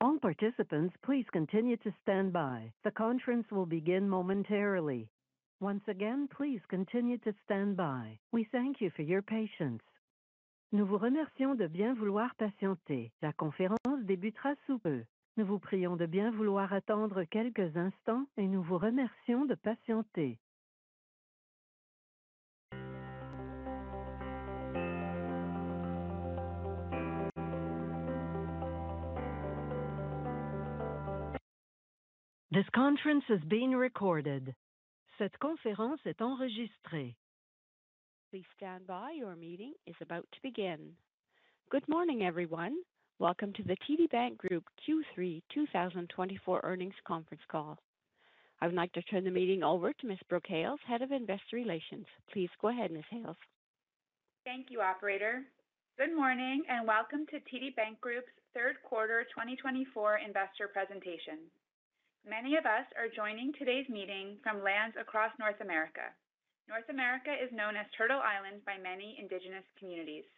All participants, please continue to stand by. The conference will begin momentarily. Once again, please continue to stand by. We thank you for your patience. Nous vous remercions de bien vouloir patienter. La conférence débutera sous peu. Nous vous prions de bien vouloir attendre quelques instants et nous vous remercions de patienter. This conference is being recorded. Cette conférence est enregistrée. Please stand by, your meeting is about to begin. Good morning, everyone. Welcome to the TD Bank Group Q3 2024 Earnings Conference Call. I would like to turn the meeting over to Ms. Brooke Hales, Head of Investor Relations. Please go ahead, Ms. Hales. Thank you, operator. Good morning, and welcome to TD Bank Group's Third Quarter 2024 Investor Presentation. Many of us are joining today's meeting from lands across North America. North America is known as Turtle Island by many indigenous communities.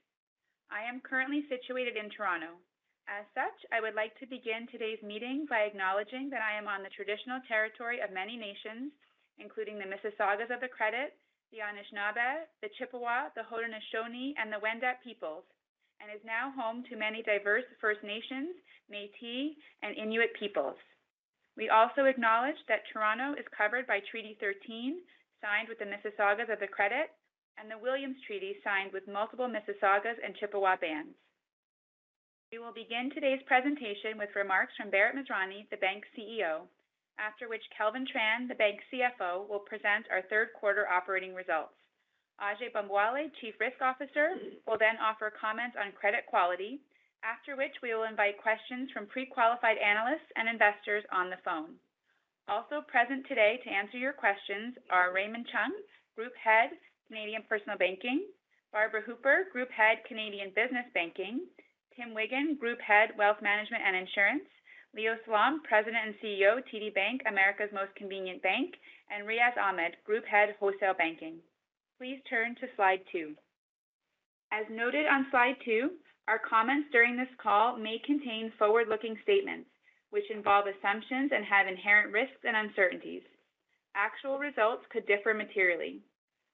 I am currently situated in Toronto. As such, I would like to begin today's meeting by acknowledging that I am on the traditional territory of many nations, including the Mississaugas of the Credit, the Anishinaabe, the Chippewa, the Haudenosaunee, and the Wendat peoples, and is now home to many diverse First Nations, Métis, and Inuit peoples. We also acknowledge that Toronto is covered by Treaty Thirteen, signed with the Mississaugas of the Credit, and the Williams Treaty, signed with multiple Mississaugas and Chippewa bands. We will begin today's presentation with remarks from Bharat Masrani, the bank's CEO, after which Kelvin Tran, the bank's CFO, will present our third quarter operating results. Ajai Bambawale, Chief Risk Officer, will then offer comments on credit quality, after which we will invite questions from pre-qualified analysts and investors on the phone. Also present today to answer your questions are Raymond Chun, Group Head, Canadian Personal Banking; Barbara Hooper, Group Head, Canadian Business Banking; Tim Wiggan, Group Head, Wealth Management and Insurance; Leo Salom, President and CEO, TD Bank, America's Most Convenient Bank; and Riaz Ahmed, Group Head, Wholesale Banking. Please turn to slide two. As noted on slide two, our comments during this call may contain forward-looking statements, which involve assumptions and have inherent risks and uncertainties. Actual results could differ materially.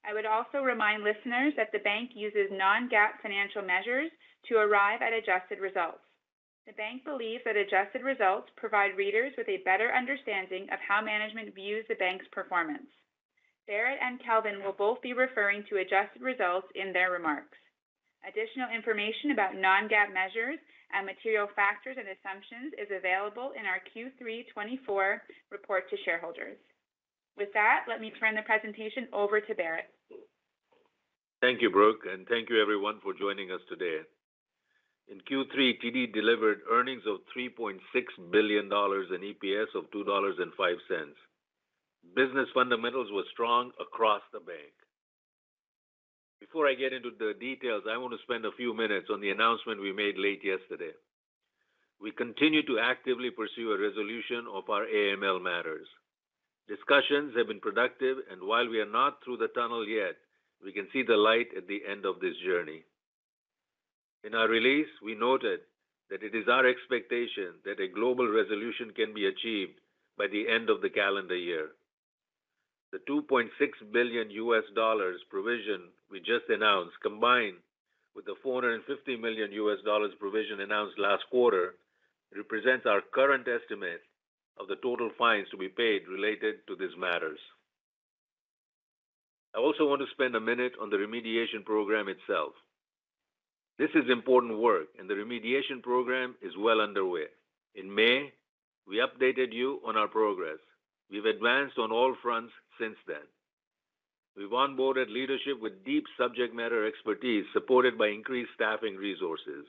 I would also remind listeners that the bank uses non-GAAP financial measures to arrive at adjusted results. The bank believes that adjusted results provide readers with a better understanding of how management views the bank's performance. Bharat and Kelvin will both be referring to adjusted results in their remarks. Additional information about non-GAAP measures and material factors and assumptions is available in our Q3 2024 report to shareholders. With that, let me turn the presentation over to Bharat. Thank you, Brooke, and thank you everyone for joining us today. In Q3, TD delivered earnings of 3.6 billion dollars and EPS of 2.05 dollars. Business fundamentals were strong across the bank. Before I get into the details, I want to spend a few minutes on the announcement we made late yesterday. We continue to actively pursue a resolution of our AML matters. Discussions have been productive, and while we are not through the tunnel yet, we can see the light at the end of this journey. In our release, we noted that it is our expectation that a global resolution can be achieved by the end of the calendar year. The $2.6 billion USD provision we just announced, combined with the $450 million USD provision announced last quarter, represents our current estimate of the total fines to be paid related to these matters. I also want to spend a minute on the remediation program itself. This is important work, and the remediation program is well underway. In May, we updated you on our progress. We've advanced on all fronts since then. We've onboarded leadership with deep subject matter expertise, supported by increased staffing resources.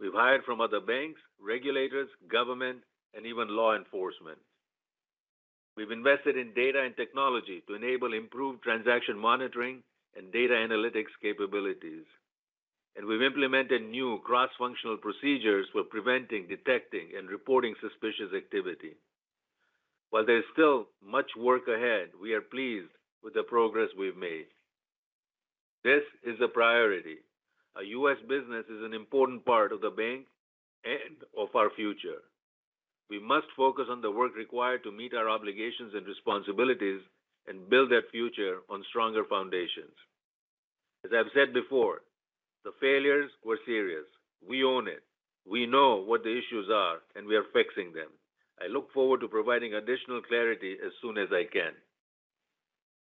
We've hired from other banks, regulators, government, and even law enforcement. We've invested in data and technology to enable improved transaction monitoring and data analytics capabilities, and we've implemented new cross-functional procedures for preventing, detecting, and reporting suspicious activity. While there is still much work ahead, we are pleased with the progress we've made. This is a priority. A U.S. business is an important part of the bank and of our future. We must focus on the work required to meet our obligations and responsibilities and build that future on stronger foundations. As I've said before, the failures were serious. We own it. We know what the issues are, and we are fixing them. I look forward to providing additional clarity as soon as I can.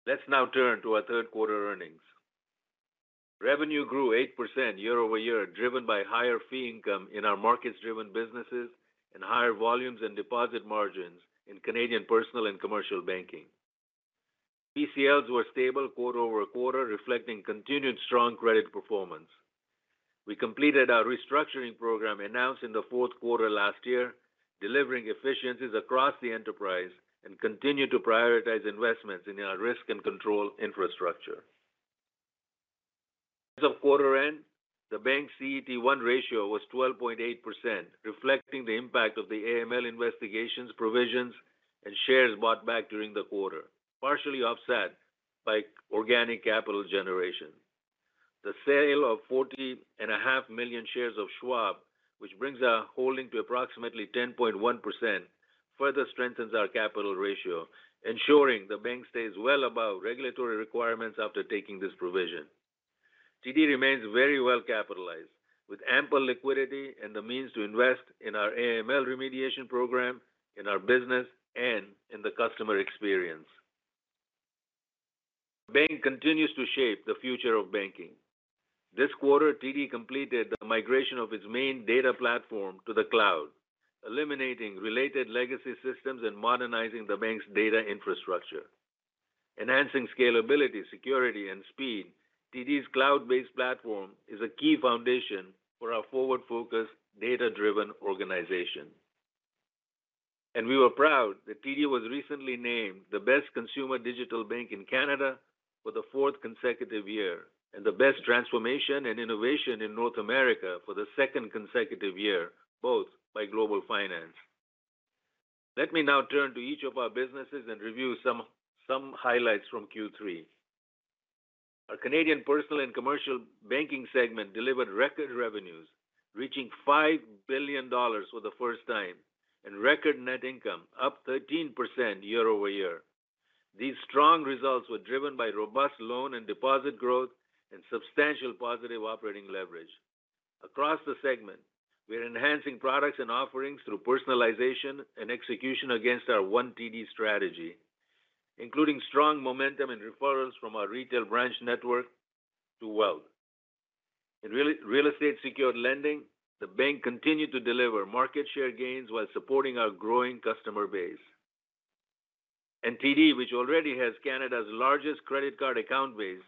Let's now turn to our third quarter earnings. Revenue grew 8% year-over-year, driven by higher fee income in our markets-driven businesses and higher volumes and deposit margins in Canadian personal and commercial banking. ECLs were stable quarter-over-quarter, reflecting continued strong credit performance. We completed our restructuring program announced in the fourth quarter last year, delivering efficiencies across the enterprise and continued to prioritize investments in our risk and control infrastructure. As of quarter end, the bank's CET1 ratio was 12.8%, reflecting the impact of the AML investigations, provisions, and shares bought back during the quarter, partially offset by organic capital generation. The sale of 40.5 million shares of Schwab, which brings our holding to approximately 10.1%, further strengthens our capital ratio, ensuring the bank stays well above regulatory requirements after taking this provision. TD remains very well capitalized, with ample liquidity and the means to invest in our AML remediation program, in our business, and in the customer experience. Bank continues to shape the future of banking. This quarter, TD completed the migration of its main data platform to the cloud, eliminating related legacy systems and modernizing the bank's data infrastructure. Enhancing scalability, security, and speed, TD's cloud-based platform is a key foundation for our forward-focused, data-driven organization. We were proud that TD was recently named the best consumer digital bank in Canada for the fourth consecutive year, and the best transformation and innovation in North America for the second consecutive year, both by Global Finance. Let me now turn to each of our businesses and review some highlights from Q3. Our Canadian personal and commercial banking segment delivered record revenues, reaching 5 billion dollars for the first time, and record net income up 13% year-over-year. These strong results were driven by robust loan and deposit growth and substantial positive operating leverage. Across the segment, we are enhancing products and offerings through personalization and execution against our One TD strategy, including strong momentum and referrals from our retail branch network to Wealth. In real estate secured lending, the bank continued to deliver market share gains while supporting our growing customer base. TD, which already has Canada's largest credit card account base,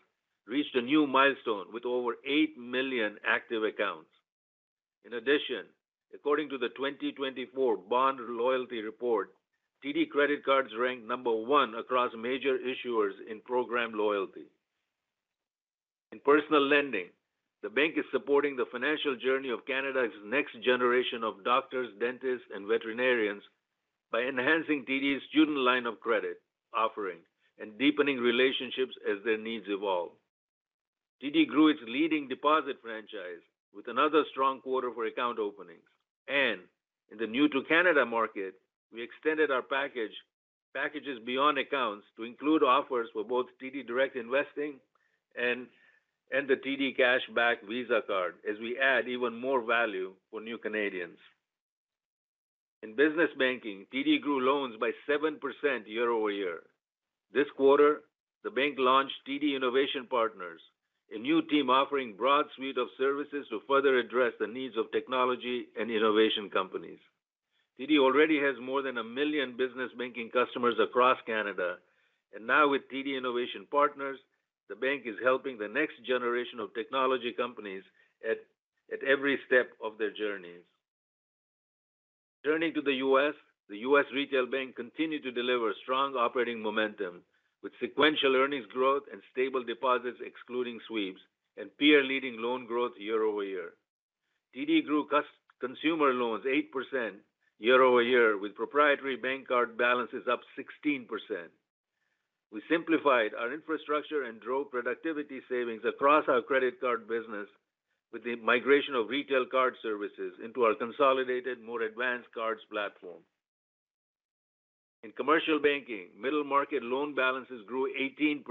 reached a new milestone with over eight million active accounts. In addition, according to the 2024 Bond Loyalty Report, TD credit cards ranked number one across major issuers in program loyalty. In personal lending, the bank is supporting the financial journey of Canada's next generation of doctors, dentists, and veterinarians by enhancing TD's student line of credit offering and deepening relationships as their needs evolve. TD grew its leading deposit franchise with another strong quarter for account openings, and in the new to Canada market, we extended our packages beyond accounts to include offers for both TD Direct Investing and the TD Cash Back Visa Card, as we add even more value for new Canadians. In business banking, TD grew loans by 7% year-over-year. This quarter, the bank launched TD Innovation Partners, a new team offering broad suite of services to further address the needs of technology and innovation companies. TD already has more than a million business banking customers across Canada, and now with TD Innovation Partners, the bank is helping the next generation of technology companies at every step of their journeys. Turning to the U.S., the U.S. Retail Bank continued to deliver strong operating momentum, with sequential earnings growth and stable deposits, excluding sweeps, and peer-leading loan growth year-over-year. TD grew consumer loans 8% year-over-year, with proprietary bank card balances up 16%. We simplified our infrastructure and drove productivity savings across our credit card business with the migration of retail card services into our consolidated, more advanced cards platform. In commercial banking, middle market loan balances grew 18%.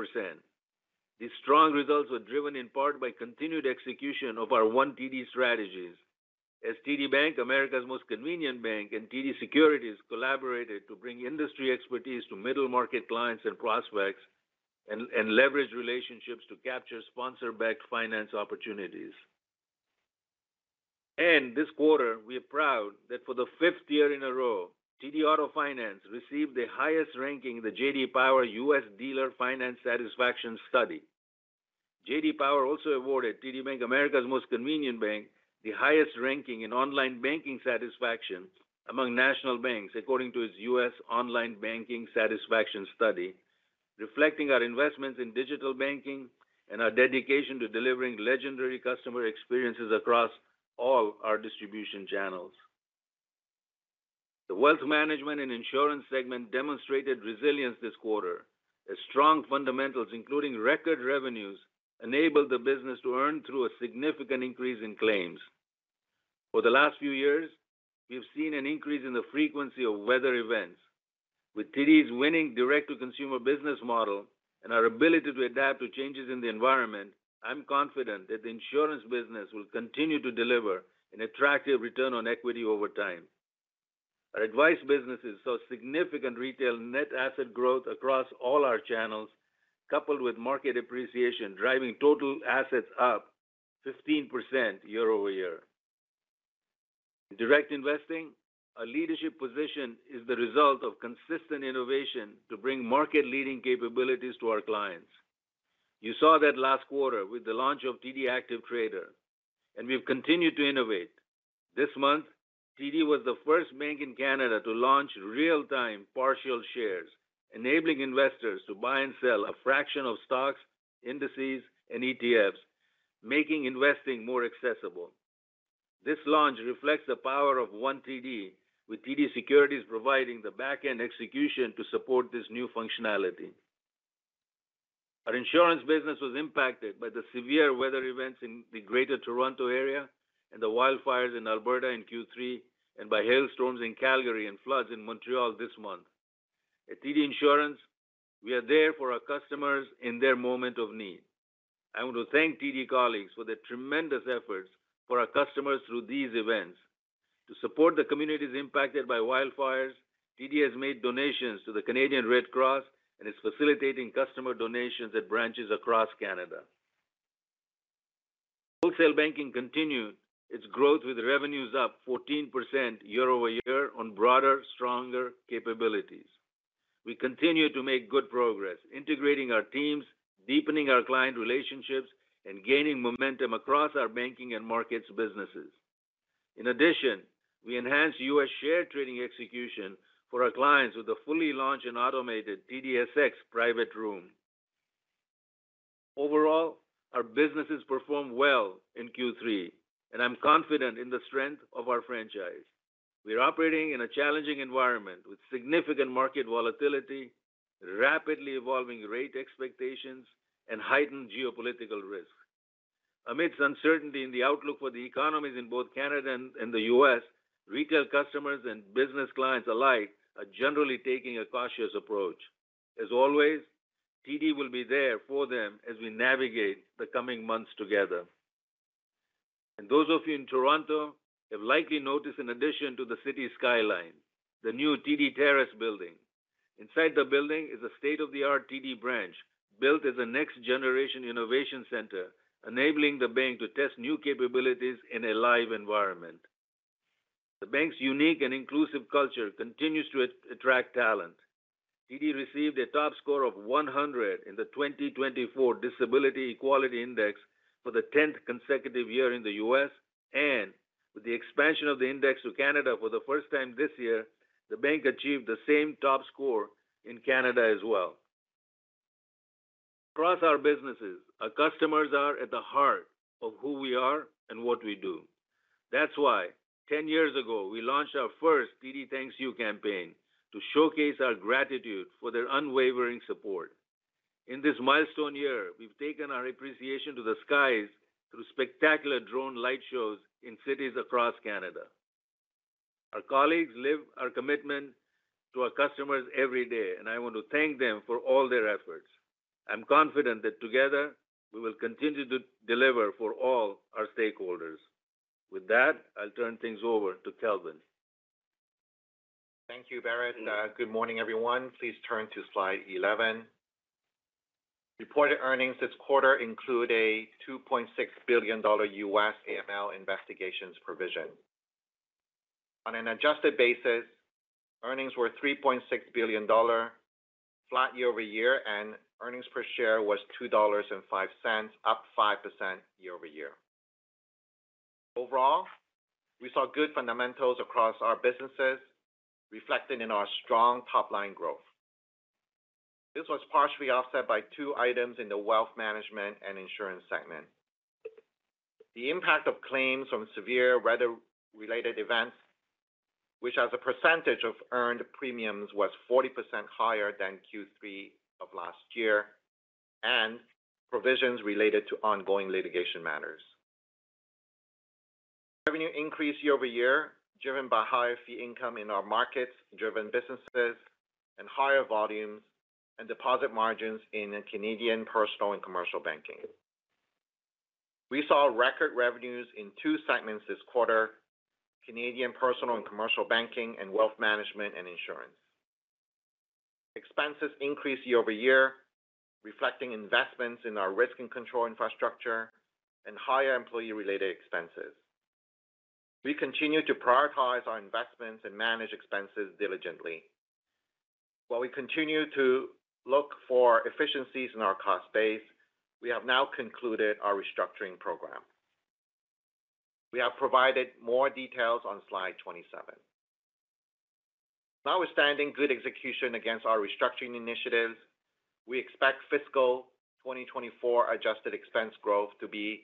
These strong results were driven in part by continued execution of our One TD strategies, as TD Bank, America's most convenient bank, and TD Securities collaborated to bring industry expertise to middle-market clients and prospects and leverage relationships to capture sponsor-backed finance opportunities. This quarter, we are proud that for the fifth year in a row, TD Auto Finance received the highest ranking in the J.D. Power U.S. Dealer Finance Satisfaction Study. J.D. Power also awarded TD Bank, America's most convenient bank, the highest ranking in online banking satisfaction among national banks, according to its U.S. Online Banking Satisfaction Study, reflecting our investments in digital banking and our dedication to delivering legendary customer experiences across all our distribution channels. The wealth management and insurance segment demonstrated resilience this quarter, as strong fundamentals, including record revenues, enabled the business to earn through a significant increase in claims. For the last few years, we've seen an increase in the frequency of weather events. With TD's winning direct-to-consumer business model and our ability to adapt to changes in the environment, I'm confident that the insurance business will continue to deliver an attractive return on equity over time. Our advice businesses saw significant retail net asset growth across all our channels, coupled with market appreciation, driving total assets up 15% year-over-year. In direct investing, our leadership position is the result of consistent innovation to bring market-leading capabilities to our clients. You saw that last quarter with the launch of TD Active Trader, and we've continued to innovate. This month, TD was the first bank in Canada to launch real-time partial shares, enabling investors to buy and sell a fraction of stocks, indices, and ETFs, making investing more accessible.... This launch reflects the power of One TD, with TD Securities providing the back-end execution to support this new functionality. Our insurance business was impacted by the severe weather events in the Greater Toronto Area and the wildfires in Alberta in Q3, and by hailstorms in Calgary and floods in Montreal this month. At TD Insurance, we are there for our customers in their moment of need. I want to thank TD colleagues for their tremendous efforts for our customers through these events. To support the communities impacted by wildfires, TD has made donations to the Canadian Red Cross and is facilitating customer donations at branches across Canada. Wholesale Banking continued its growth, with revenues up 14% year-over-year on broader, stronger capabilities. We continue to make good progress integrating our teams, deepening our client relationships, and gaining momentum across our banking and markets businesses. In addition, we enhanced U.S. share trading execution for our clients with the fully launched and automated TDSX Private Room. Overall, our businesses performed well in Q3, and I'm confident in the strength of our franchise. We are operating in a challenging environment, with significant market volatility, rapidly evolving rate expectations, and heightened geopolitical risks. Amidst uncertainty in the outlook for the economies in both Canada and the U.S., retail customers and business clients alike are generally taking a cautious approach. As always, TD will be there for them as we navigate the coming months together. And those of you in Toronto have likely noticed an addition to the city skyline, the new TD Terrace building. Inside the building is a state-of-the-art TD branch, built as a next-generation innovation center, enabling the bank to test new capabilities in a live environment. The bank's unique and inclusive culture continues to attract talent. TD received a top score of 100 in the 2024 Disability Equality Index for the tenth consecutive year in the U.S. With the expansion of the index to Canada for the first time this year, the bank achieved the same top score in Canada as well. Across our businesses, our customers are at the heart of who we are and what we do. That's why, 10 years ago, we launched our first TD Thanks You campaign to showcase our gratitude for their unwavering support. In this milestone year, we've taken our appreciation to the skies through spectacular drone light shows in cities across Canada. Our colleagues live our commitment to our customers every day, and I want to thank them for all their efforts. I'm confident that together, we will continue to deliver for all our stakeholders. With that, I'll turn things over to Kelvin. Thank you, Bharat. Good morning, everyone. Please turn to slide 11. Reported earnings this quarter include a $2.6 billion US AML investigations provision. On an adjusted basis, earnings were 3.6 billion dollar, flat year-over-year, and earnings per share was 2.05 dollars, up 5% year-over-year. Overall, we saw good fundamentals across our businesses, reflected in our strong top-line growth. This was partially offset by two items in the wealth management and insurance segment. The impact of claims from severe weather-related events, which as a percentage of earned premiums, was 40% higher than Q3 of last year, and provisions related to ongoing litigation matters. Revenue increased year-over-year, driven by higher fee income in our markets-driven businesses and higher volumes and deposit margins in Canadian Personal and Commercial Banking. We saw record revenues in two segments this quarter: Canadian Personal and Commercial Banking, and Wealth Management and Insurance. Expenses increased year-over-year, reflecting investments in our risk and control infrastructure and higher employee-related expenses. We continue to prioritize our investments and manage expenses diligently. While we continue to look for efficiencies in our cost base, we have now concluded our restructuring program. We have provided more details on slide 27. Notwithstanding good execution against our restructuring initiatives, we expect fiscal 2024 adjusted expense growth to be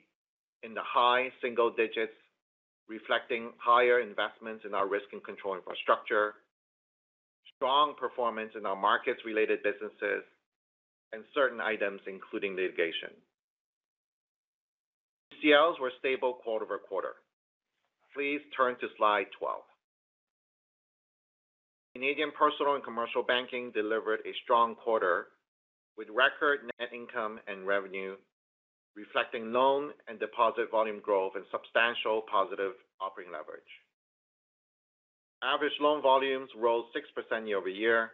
in the high single digits, reflecting higher investments in our risk and control infrastructure, strong performance in our markets-related businesses, and certain items, including litigation. CLs were stable quarter-over-quarter. Please turn to slide 12. Canadian Personal and Commercial Banking delivered a strong quarter, with record net income and revenue, reflecting loan and deposit volume growth and substantial positive operating leverage. Average loan volumes rose 6% year-over-year,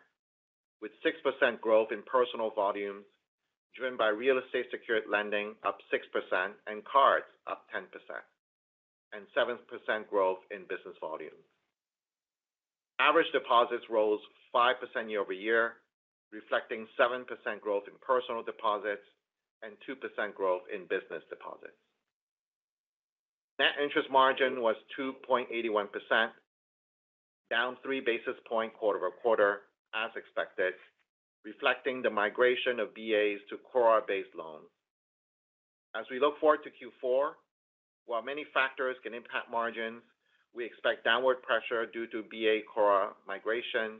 with 6% growth in personal volumes, driven by real estate-secured lending up 6% and cards up 10%, and 7% growth in business volumes. Average deposits rose 5% year-over-year, reflecting 7% growth in personal deposits and 2% growth in business deposits. Net interest margin was 2.81%, down three basis points quarter-over-quarter, as expected, reflecting the migration of BAs to CORRA-based loans. As we look forward to Q4, while many factors can impact margins, we expect downward pressure due to BA CORRA migration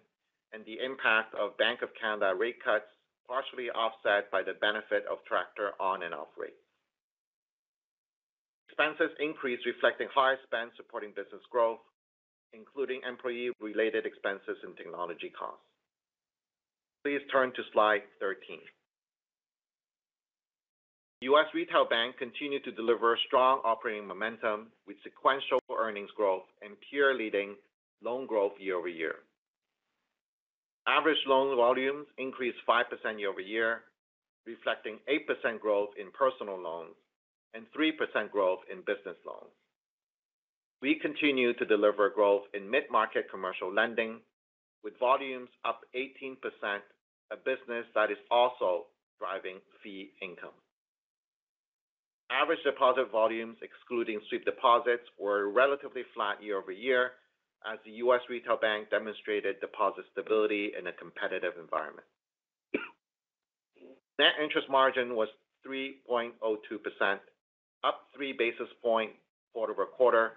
and the impact of Bank of Canada rate cuts, partially offset by the benefit of Tractor on and off rates. Expenses increased, reflecting higher spend supporting business growth, including employee-related expenses and technology costs. Please turn to slide 13. U.S. Retail Bank continued to deliver strong operating momentum with sequential earnings growth and peer-leading loan growth year-over-year. Average loan volumes increased 5% year-over-year, reflecting 8% growth in personal loans and 3% growth in business loans. We continue to deliver growth in mid-market commercial lending, with volumes up 18%, a business that is also driving fee income. Average deposit volumes, excluding sweep deposits, were relatively flat year-over-year as the U.S. Retail Bank demonstrated deposit stability in a competitive environment. Net interest margin was 3.02%, up three basis points quarter-over-quarter,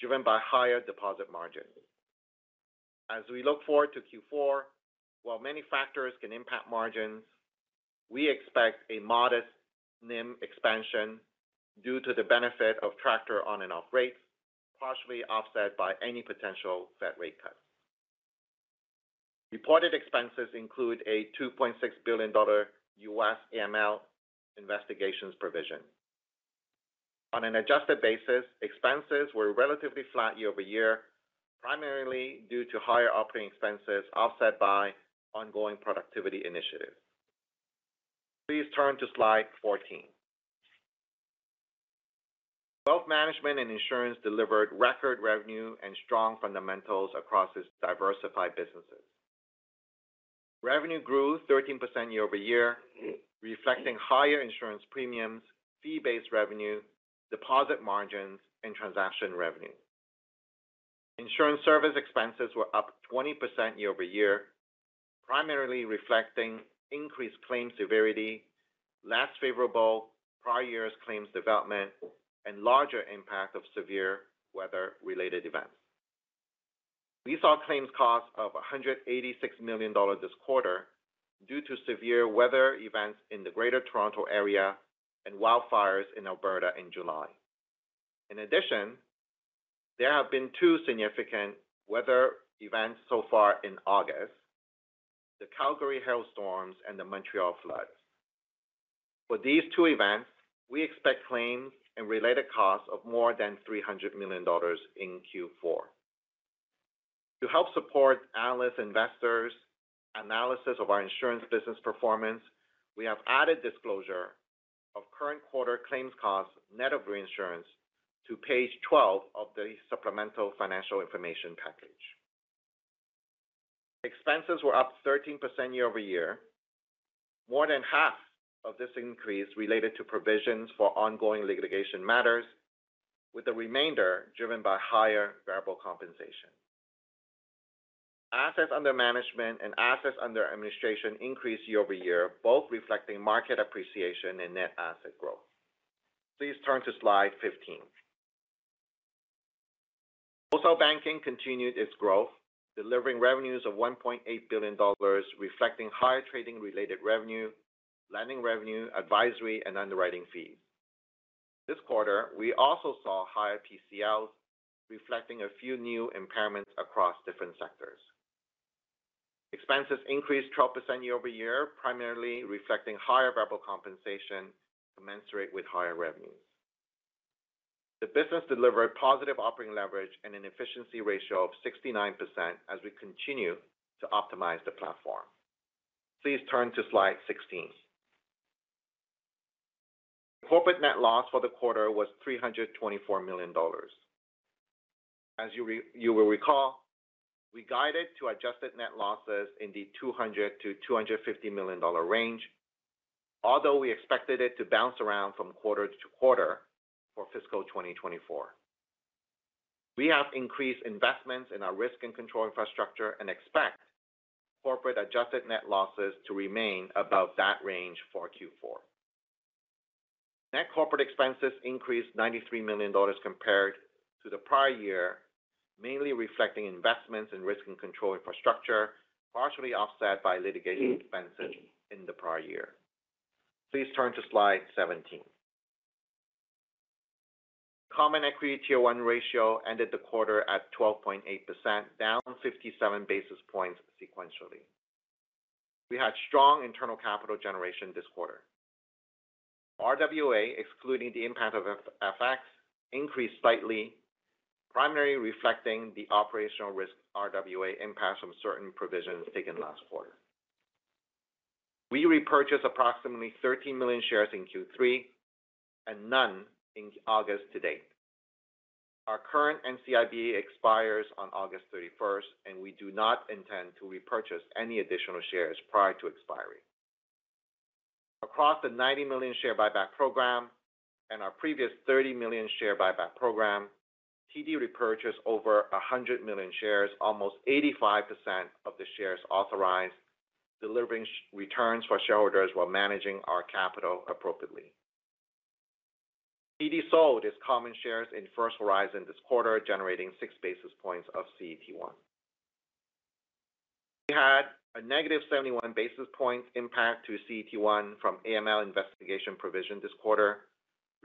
driven by higher deposit margins- As we look forward to Q4, while many factors can impact margins, we expect a modest NIM expansion due to the benefit of Tractor on and off rates, partially offset by any potential Fed rate cut. Reported expenses include a $2.6 billion USD AML investigations provision. On an adjusted basis, expenses were relatively flat year-over-year, primarily due to higher operating expenses, offset by ongoing productivity initiatives. Please turn to slide 14. Wealth Management and Insurance delivered record revenue and strong fundamentals across its diversified businesses. Revenue grew 13% year-over-year, reflecting higher insurance premiums, fee-based revenue, deposit margins, and transaction revenue. Insurance service expenses were up 20% year-over-year, primarily reflecting increased claims severity, less favorable prior years' claims development, and larger impact of severe weather-related events. We saw claims costs of 186 million dollars this quarter due to severe weather events in the Greater Toronto Area and wildfires in Alberta in July. In addition, there have been two significant weather events so far in August: the Calgary hailstorms and the Montreal floods. For these two events, we expect claims and related costs of more than 300 million dollars in Q4. To help support analysts', investors' analysis of our insurance business performance, we have added disclosure of current quarter claims costs net of reinsurance to page 12 of the supplemental financial information package. Expenses were up 13% year-over-year. More than half of this increase related to provisions for ongoing litigation matters, with the remainder driven by higher variable compensation. Assets under management and assets under administration increased year-over-year, both reflecting market appreciation and net asset growth. Please turn to slide 15. Wholesale Banking continued its growth, delivering revenues of 1.8 billion dollars, reflecting higher trading-related revenue, lending revenue, advisory, and underwriting fees. This quarter, we also saw higher PCLs, reflecting a few new impairments across different sectors. Expenses increased 12% year-over-year, primarily reflecting higher variable compensation commensurate with higher revenues. The business delivered positive operating leverage and an efficiency ratio of 69% as we continue to optimize the platform. Please turn to slide 16. Corporate net loss for the quarter was 324 million dollars. As you will recall, we guided to adjusted net losses in the 200 million to 250 million dollar range, although we expected it to bounce around from quarter to quarter for fiscal 2024. We have increased investments in our risk and control infrastructure and expect corporate adjusted net losses to remain about that range for Q4. Net corporate expenses increased 93 million dollars compared to the prior year, mainly reflecting investments in risk and control infrastructure, partially offset by litigation expenses in the prior year. Please turn to slide 17. Common Equity Tier 1 ratio ended the quarter at 12.8%, down 57 basis points sequentially. We had strong internal capital generation this quarter. RWA, excluding the impact of FX, increased slightly, primarily reflecting the operational risk RWA impact from certain provisions taken last quarter. We repurchased approximately 13 million shares in Q3 and none in August to date. Our current NCIB expires on August 31st, and we do not intend to repurchase any additional shares prior to expiry. Across the 90 million share buyback program and our previous 30 million share buyback program, TD repurchased over 100 million shares, almost 85% of the shares authorized, delivering shareholder returns for shareholders while managing our capital appropriately. TD sold its common shares in First Horizon this quarter, generating six basis points of CET1. We had a negative 71 basis points impact to CET1 from AML investigation provision this quarter,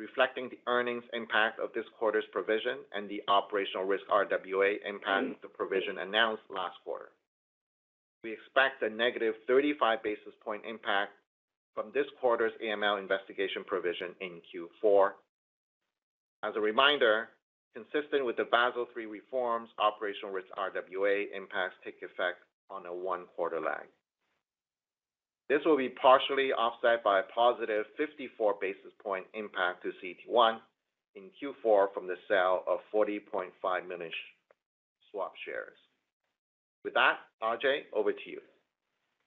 reflecting the earnings impact of this quarter's provision and the operational risk RWA impact of the provision announced last quarter. We expect a negative 35 basis point impact from this quarter's AML investigation provision in Q4. As a reminder, consistent with the Basel III reforms, operational risk RWA impacts take effect on a one-quarter lag. This will be partially offset by a positive 54 basis point impact to CET1 in Q4 from the sale of 40.5 million Schwab shares. With that, Ajai, over to you.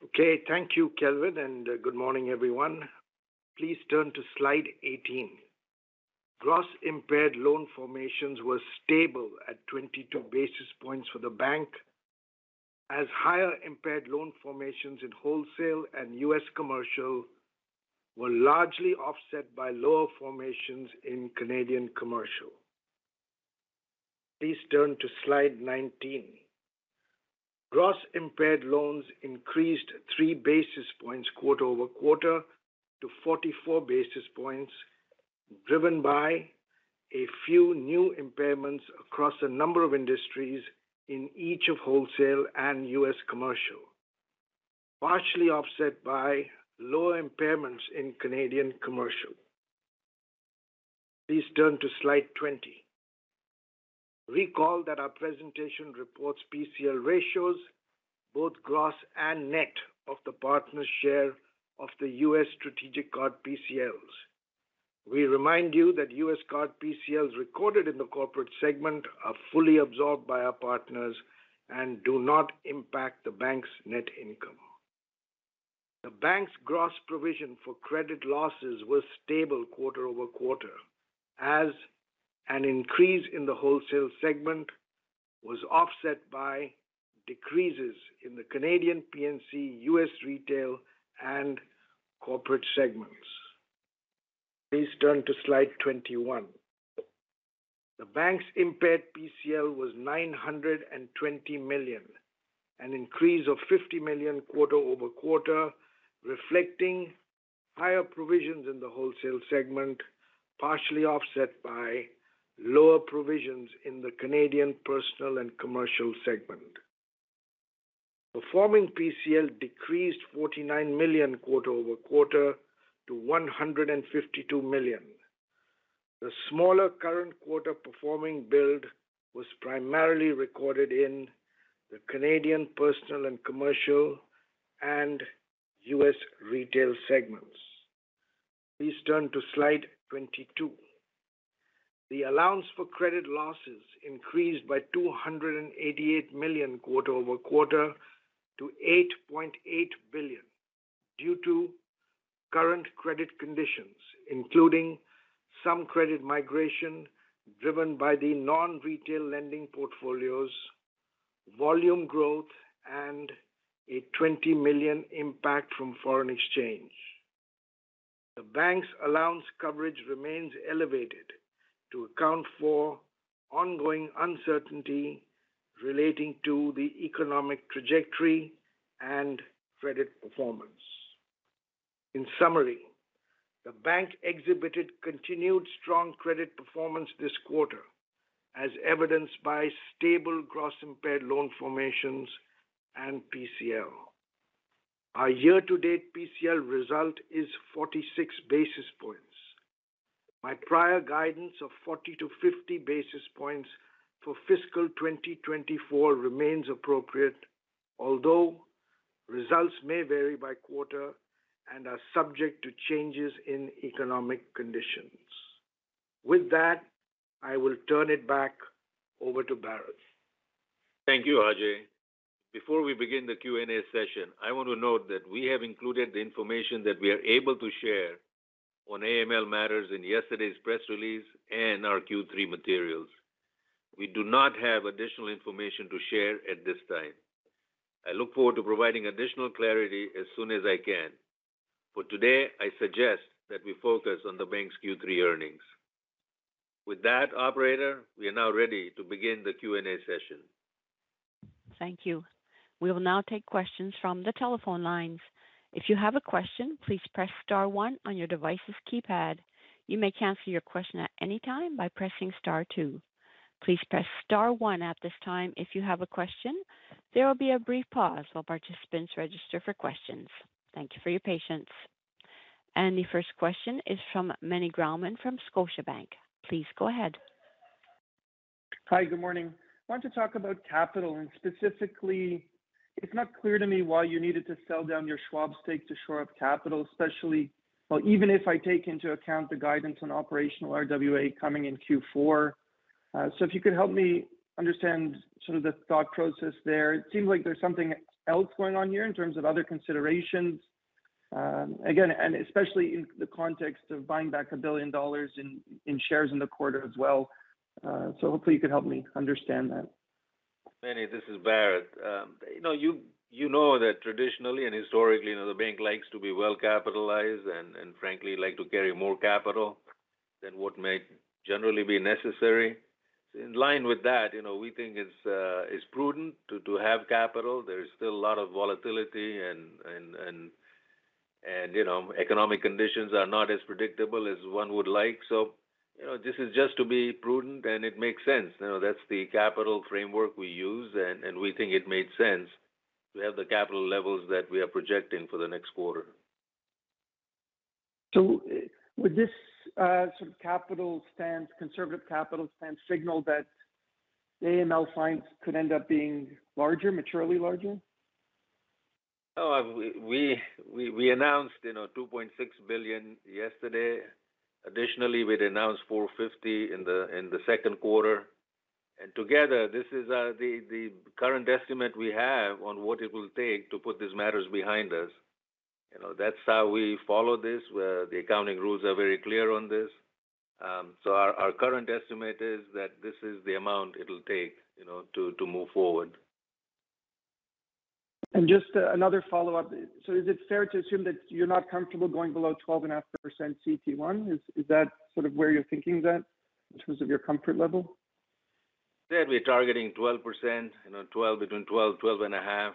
Okay. Thank you, Kelvin, and good morning, everyone. Please turn to slide eighteen. Gross impaired loan formations were stable at twenty-two basis points for the bank, as higher impaired loan formations in wholesale and U.S. commercial were largely offset by lower formations in Canadian commercial. Please turn to slide nineteen. Gross impaired loans increased three basis points quarter-over-quarter to forty-four basis points, driven by a few new impairments across a number of industries in each of wholesale and U.S. commercial, partially offset by lower impairments in Canadian commercial. Please turn to slide twenty. Recall that our presentation reports PCL ratios, both gross and net, of the partner's share of the U.S. strategic card PCLs. We remind you that U.S. card PCLs recorded in the corporate segment are fully absorbed by our partners and do not impact the bank's net income. The bank's gross provision for credit losses was stable quarter-over-quarter, as an increase in the wholesale segment was offset by decreases in the Canadian P&C, U.S. Retail, and Corporate segments. Please turn to slide 21. The bank's impaired PCL was 920 million, an increase of 50 million quarter-over-quarter, reflecting higher provisions in the wholesale segment, partially offset by lower provisions in the Canadian personal and commercial segment. Performing PCL decreased 49 million quarter-over-quarter to 152 million. The smaller current quarter performing build was primarily recorded in the Canadian personal and commercial and U.S. retail segments. Please turn to slide 22. The Allowance for Credit Losses increased by 288 million quarter-over-quarter to 8.8 billion, due to current credit conditions, including some credit migration driven by the non-retail lending portfolio's volume growth and a 20 million impact from foreign exchange. The bank's allowance coverage remains elevated to account for ongoing uncertainty relating to the economic trajectory and credit performance. In summary, the bank exhibited continued strong credit performance this quarter, as evidenced by stable gross impaired loan formations and PCL. Our year-to-date PCL result is 46 basis points. My prior guidance of 40-50 basis points for fiscal 2024 remains appropriate, although results may vary by quarter and are subject to changes in economic conditions. With that, I will turn it back over to Bharat. Thank you, Ajai. Before we begin the Q&A session, I want to note that we have included the information that we are able to share on AML matters in yesterday's press release and our Q3 materials. We do not have additional information to share at this time. I look forward to providing additional clarity as soon as I can. For today, I suggest that we focus on the bank's Q3 earnings. With that, Operator, we are now ready to begin the Q&A session. Thank you. We will now take questions from the telephone lines. If you have a question, please press star one on your device's keypad. You may cancel your question at any time by pressing star two. Please press star one at this time if you have a question. There will be a brief pause while participants register for questions. Thank you for your patience. And the first question is from Meny Grauman from Scotiabank. Please go ahead. Hi, good morning. I want to talk about capital, and specifically, it's not clear to me why you needed to sell down your Schwab stake to shore up capital, especially. Well, even if I take into account the guidance on operational RWA coming in Q4? So if you could help me understand sort of the thought process there. It seems like there's something else going on here in terms of other considerations. Again, and especially in the context of buying back 1 billion dollars in shares in the quarter as well. So hopefully you can help me understand that. Meny, this is Bharat. You know that traditionally and historically, you know, the bank likes to be well capitalized and frankly like to carry more capital than what may generally be necessary. So in line with that, you know, we think it's prudent to have capital. There is still a lot of volatility and you know, economic conditions are not as predictable as one would like. So, you know, this is just to be prudent, and it makes sense. You know, that's the capital framework we use, and we think it made sense to have the capital levels that we are projecting for the next quarter. Would this sort of capital stance, conservative capital stance, signal that AML fines could end up being larger, materially larger? We announced, you know, $2.6 billion yesterday. Additionally, we'd announced $450 million in the second quarter, and together, this is the current estimate we have on what it will take to put these matters behind us. You know, that's how we follow this, where the accounting rules are very clear on this. So our current estimate is that this is the amount it'll take, you know, to move forward. And just another follow-up. So is it fair to assume that you're not comfortable going below 12.5% CET1? Is that sort of where you're thinking that, in terms of your comfort level? Yeah, we're targeting 12%, you know, between 12% and 12.5%.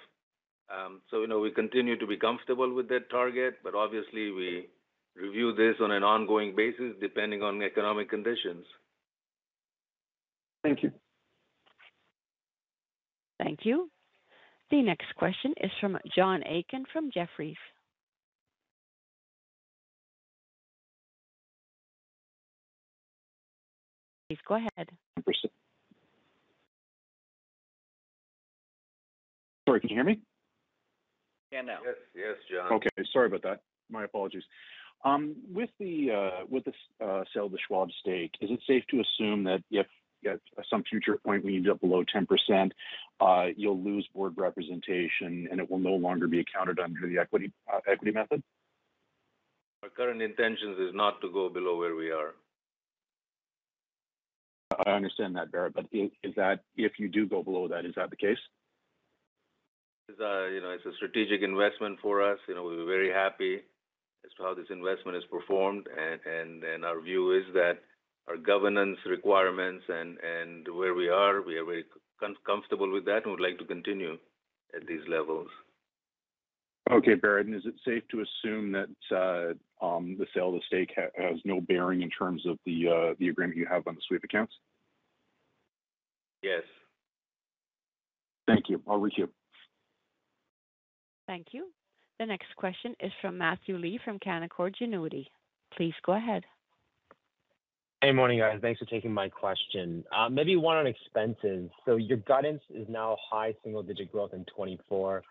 So, you know, we continue to be comfortable with that target, but obviously, we review this on an ongoing basis, depending on economic conditions. Thank you. Thank you. The next question is from John Aiken from Jefferies. Please, go ahead. Sorry, can you hear me? Can now. Yes, yes, John. Okay. Sorry about that. My apologies. With the sale of the Schwab stake, is it safe to assume that if at some future point when you drop below 10%, you'll lose board representation, and it will no longer be accounted under the equity method? Our current intentions is not to go below where we are. I understand that, Bharat, but is that if you do go below that, is that the case? It's, you know, it's a strategic investment for us. You know, we're very happy as to how this investment has performed, and our view is that our governance requirements and where we are, we are very comfortable with that and would like to continue at these levels. Okay, Bharat. And is it safe to assume that the sale of the stake has no bearing in terms of the agreement you have on the sweep accounts? Yes. Thank you. I'll requeue. Thank you. The next question is from Matthew Lee, from Canaccord Genuity. Please go ahead. Hey, morning, guys. Thanks for taking my question. Maybe one on expenses. So your guidance is now high single-digit growth in 2024.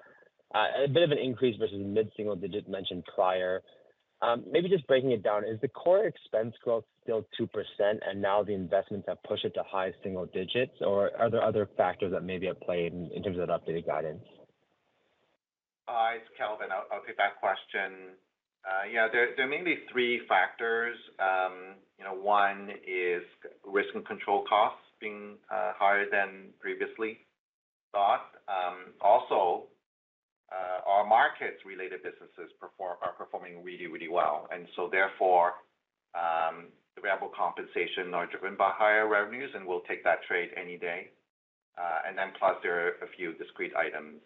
A bit of an increase versus mid-single digit mentioned prior. Maybe just breaking it down, is the core expense growth still 2%, and now the investments have pushed it to high single digits, or are there other factors that maybe at play in terms of the updated guidance? It's Kelvin. I'll take that question. Yeah, there are mainly three factors. You know, one is risk and control costs being higher than previously thought. Also, our markets-related businesses are performing really well, and so therefore, the variable compensation are driven by higher revenues, and we'll take that trade any day. And then plus, there are a few discrete items,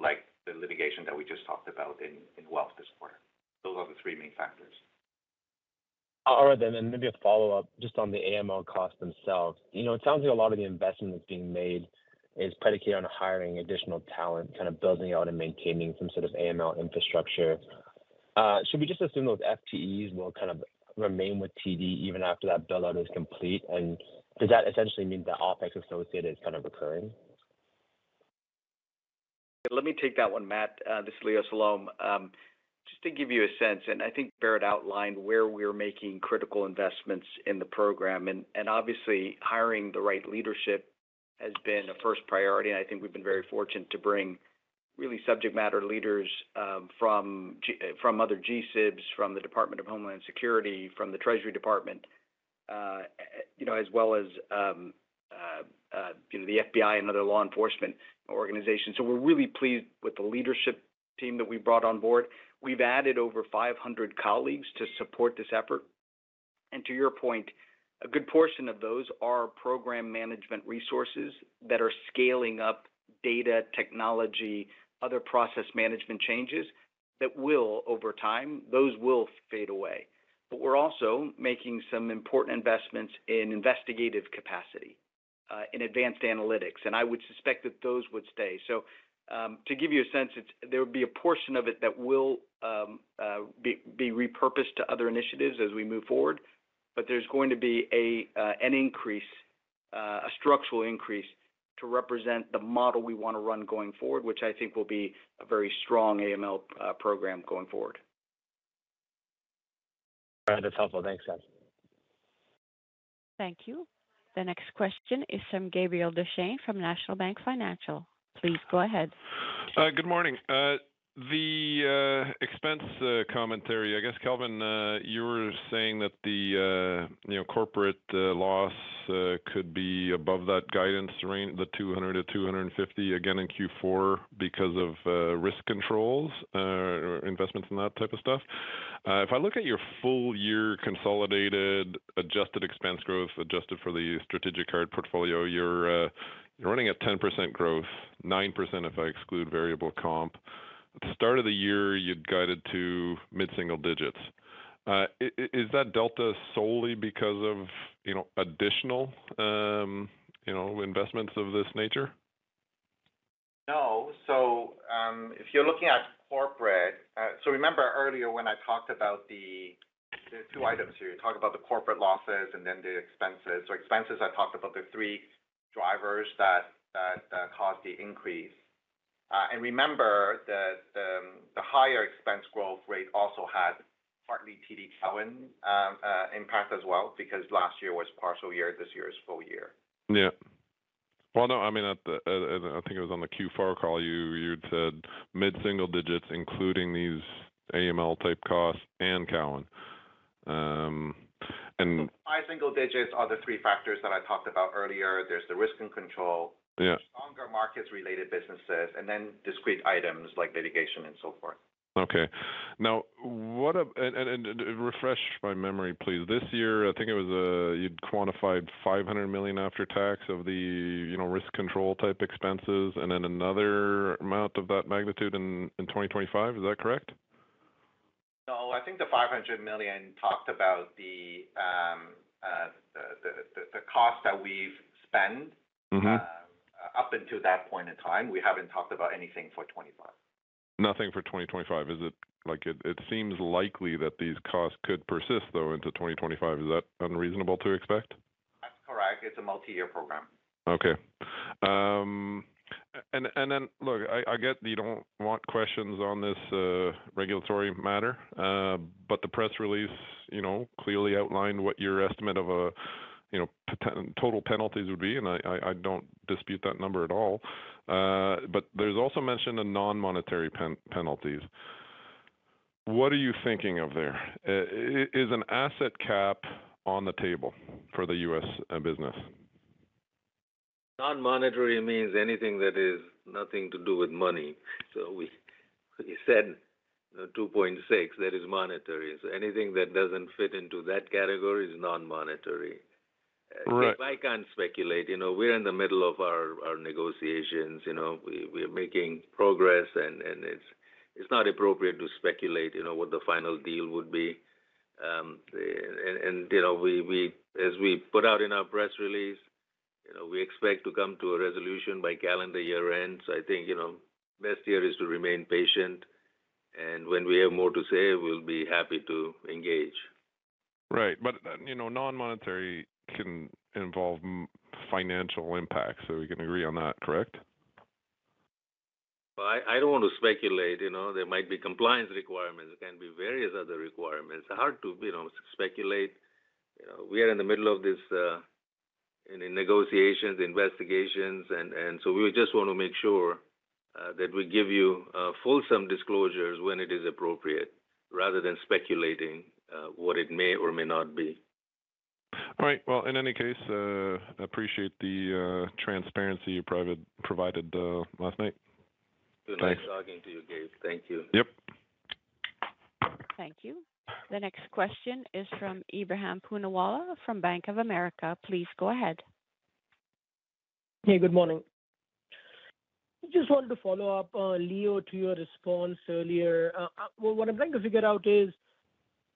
like the litigation that we just talked about in wealth this quarter. Those are the three main factors. All right, then, and maybe a follow-up just on the AML costs themselves. You know, it sounds like a lot of the investments being made is predicated on hiring additional talent, kind of building out and maintaining some sort of AML infrastructure. Should we just assume those FTEs will kind of remain with TD even after that build-out is complete? And does that essentially mean the OpEx associated is kind of occurring? Let me take that one, Matt. This is Leo Salom. Just to give you a sense, and I think Bharat outlined where we're making critical investments in the program, and obviously, hiring the right leadership has been the first priority, and I think we've been very fortunate to bring really subject matter leaders from other GSIBs, from the Department of Homeland Security, from the Treasury Department, you know, as well as, you know, the FBI and other law enforcement organizations. So we're really pleased with the leadership team that we brought on board. We've added over 500 colleagues to support this effort. To your point, a good portion of those are program management resources that are scaling up data technology, other process management changes, that will, over time, those will fade away. But we're also making some important investments in investigative capacity, in advanced analytics, and I would suspect that those would stay. So, to give you a sense, there would be a portion of it that will be repurposed to other initiatives as we move forward, but there's going to be an increase, a structural increase to represent the model we want to run going forward, which I think will be a very strong AML program going forward.... All right, that's helpful. Thanks, guys. Thank you. The next question is from Gabriel Dechaine from National Bank Financial. Please go ahead. Good morning. The expense commentary, I guess, Kelvin, you were saying that the, you know, corporate costs could be above that guidance range, the 200-250 again in Q4 because of risk controls or investments in that type of stuff. If I look at your full year consolidated, adjusted expense growth, adjusted for the strategic card portfolio, you're running at 10% growth, 9% if I exclude variable comp. At the start of the year, you'd guided to mid-single digits. Is that delta solely because of, you know, additional, you know, investments of this nature? No. So, if you're looking at corporate. So remember earlier when I talked about the two items here, talked about the corporate losses and then the expenses. So expenses, I talked about the three drivers that caused the increase. And remember that the higher expense growth rate also had partly TD Cowen impact as well, because last year was partial year, this year is full year. Yeah. Well, no, I mean, at the, I think it was on the Q4 call, you, you'd said mid-single digits, including these AML-type costs and Cowen. And- High single digits are the three factors that I talked about earlier. There's the risk and control. Yeah. Stronger markets-related businesses, and then discrete items like litigation and so forth. Okay. Now, and refresh my memory, please. This year, I think it was, you'd quantified 500 million after tax of the, you know, risk control type expenses and then another amount of that magnitude in 2025. Is that correct? No, I think the $500 million talked about the cost that we've spent. Mm-hmm ... up until that point in time. We haven't talked about anything for 25. Nothing for 2025. Is it likely that these costs could persist, though, into 2025? Is that unreasonable to expect? That's correct. It's a multi-year program. Okay, and then, look, I get that you don't want questions on this regulatory matter, but the press release, you know, clearly outlined what your estimate of a potential total penalties would be, and I don't dispute that number at all. But there's also mention of non-monetary penalties. What are you thinking of there? Is an asset cap on the table for the U.S. business? Non-monetary means anything that is nothing to do with money. So we said 2.6, that is monetary. So anything that doesn't fit into that category is non-monetary. Right. I can't speculate. You know, we're in the middle of our negotiations, you know, we're making progress, and it's not appropriate to speculate, you know, what the final deal would be. And you know, as we put out in our press release, you know, we expect to come to a resolution by calendar year end. So I think, you know, best here is to remain patient, and when we have more to say, we'll be happy to engage. Right. But, you know, non-monetary can involve financial impacts, so we can agree on that, correct? I don't want to speculate. You know, there might be compliance requirements, there can be various other requirements. Hard to, you know, speculate. We are in the middle of this in negotiations, investigations, and so we just want to make sure that we give you fulsome disclosures when it is appropriate, rather than speculating what it may or may not be. All right. Well, in any case, appreciate the transparency you provided last night. Good luck talking to you, Gabe. Thank you. Yep. Thank you. The next question is from Ebrahim Poonawala from Bank of America. Please go ahead. Hey, good morning. Just wanted to follow up, Leo, to your response earlier. What I'm trying to figure out is,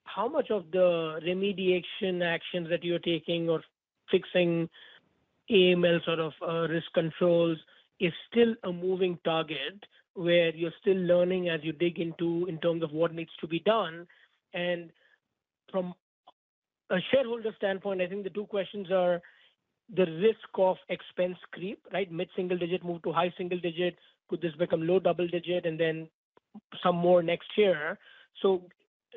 how much of the remediation actions that you're taking or fixing AML sort of risk controls is still a moving target, where you're still learning as you dig into in terms of what needs to be done? And from a shareholder standpoint, I think the two questions are the risk of expense creep, right? Mid-single digit move to high single digit. Could this become low double digit and then some more next year? So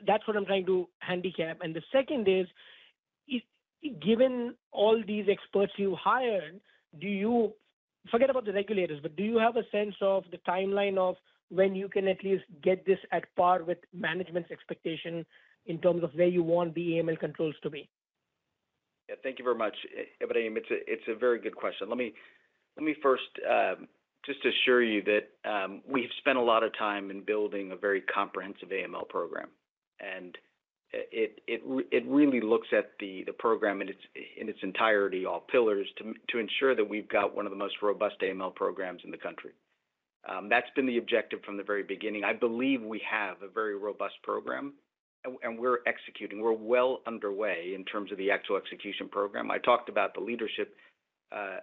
that's what I'm trying to handicap. And the second is, if given all these experts you hired, do you, forget about the regulators, but do you have a sense of the timeline of when you can at least get this at par with management's expectation in terms of where you want the AML controls to be? Yeah. Thank you very much, Ebrahim. It's a very good question. Let me first just assure you that we've spent a lot of time in building a very comprehensive AML program, and it really looks at the program in its entirety, all pillars, to ensure that we've got one of the most robust AML programs in the country. That's been the objective from the very beginning. I believe we have a very robust program, and we're executing. We're well underway in terms of the actual execution program. I talked about the leadership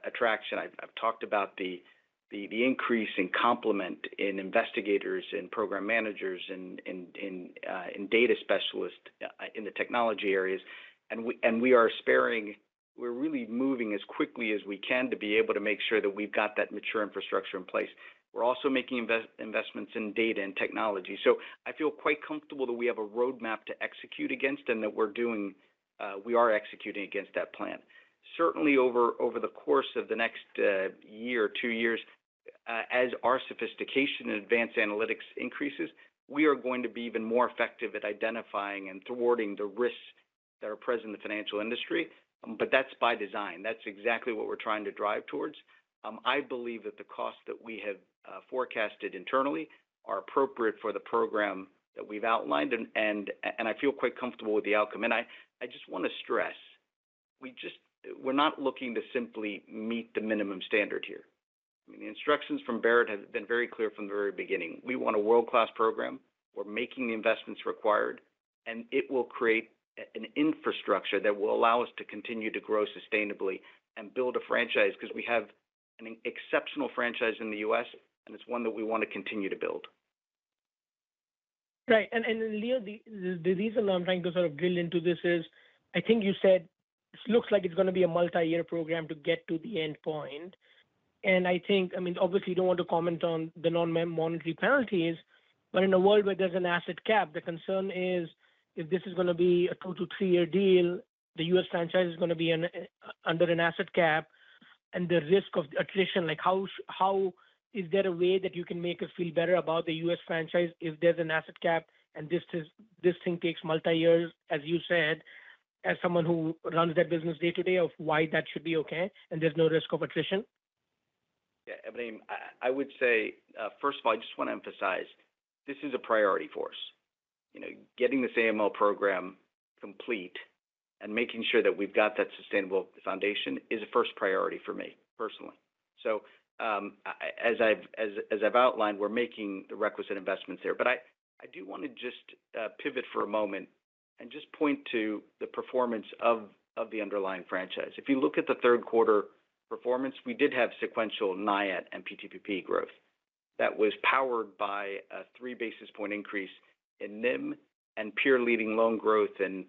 attraction. I've talked about the increase in complement in investigators and program managers and data specialists in the technology areas. And we are sparing-... We're really moving as quickly as we can to be able to make sure that we've got that mature infrastructure in place. We're also making investments in data and technology. So I feel quite comfortable that we have a roadmap to execute against, and that we're doing, we are executing against that plan. Certainly, over the course of the next year or two years, as our sophistication in advanced analytics increases, we are going to be even more effective at identifying and thwarting the risks that are present in the financial industry. But that's by design. That's exactly what we're trying to drive towards. I believe that the costs that we have forecasted internally are appropriate for the program that we've outlined, and I feel quite comfortable with the outcome. I just want to stress, we're not looking to simply meet the minimum standard here. I mean, the instructions from Bharat have been very clear from the very beginning: we want a world-class program. We're making the investments required, and it will create an infrastructure that will allow us to continue to grow sustainably and build a franchise, because we have an exceptional franchise in the U.S., and it's one that we want to continue to build. Right. And, Leo, the reason I'm trying to sort of drill into this is, I think you said this looks like it's gonna be a multi-year program to get to the endpoint. And I think, I mean, obviously, you don't want to comment on the non-monetary penalties, but in a world where there's an asset cap, the concern is, if this is gonna be a two- to three-year deal, the U.S. franchise is gonna be under an asset cap, and the risk of attrition. Like, is there a way that you can make us feel better about the U.S. franchise if there's an asset cap and this thing takes multi-years, as you said, as someone who runs that business day-to-day, of why that should be okay and there's no risk of attrition? Yeah, I mean, I would say, first of all, I just want to emphasize, this is a priority for us. You know, getting this AML program complete and making sure that we've got that sustainable foundation is a first priority for me, personally. So, as I've outlined, we're making the requisite investments there. But I do want to just pivot for a moment and just point to the performance of the underlying franchise. If you look at the third quarter performance, we did have sequential NIIAT and PTPP growth that was powered by a three basis point increase in NIM and peer-leading loan growth, and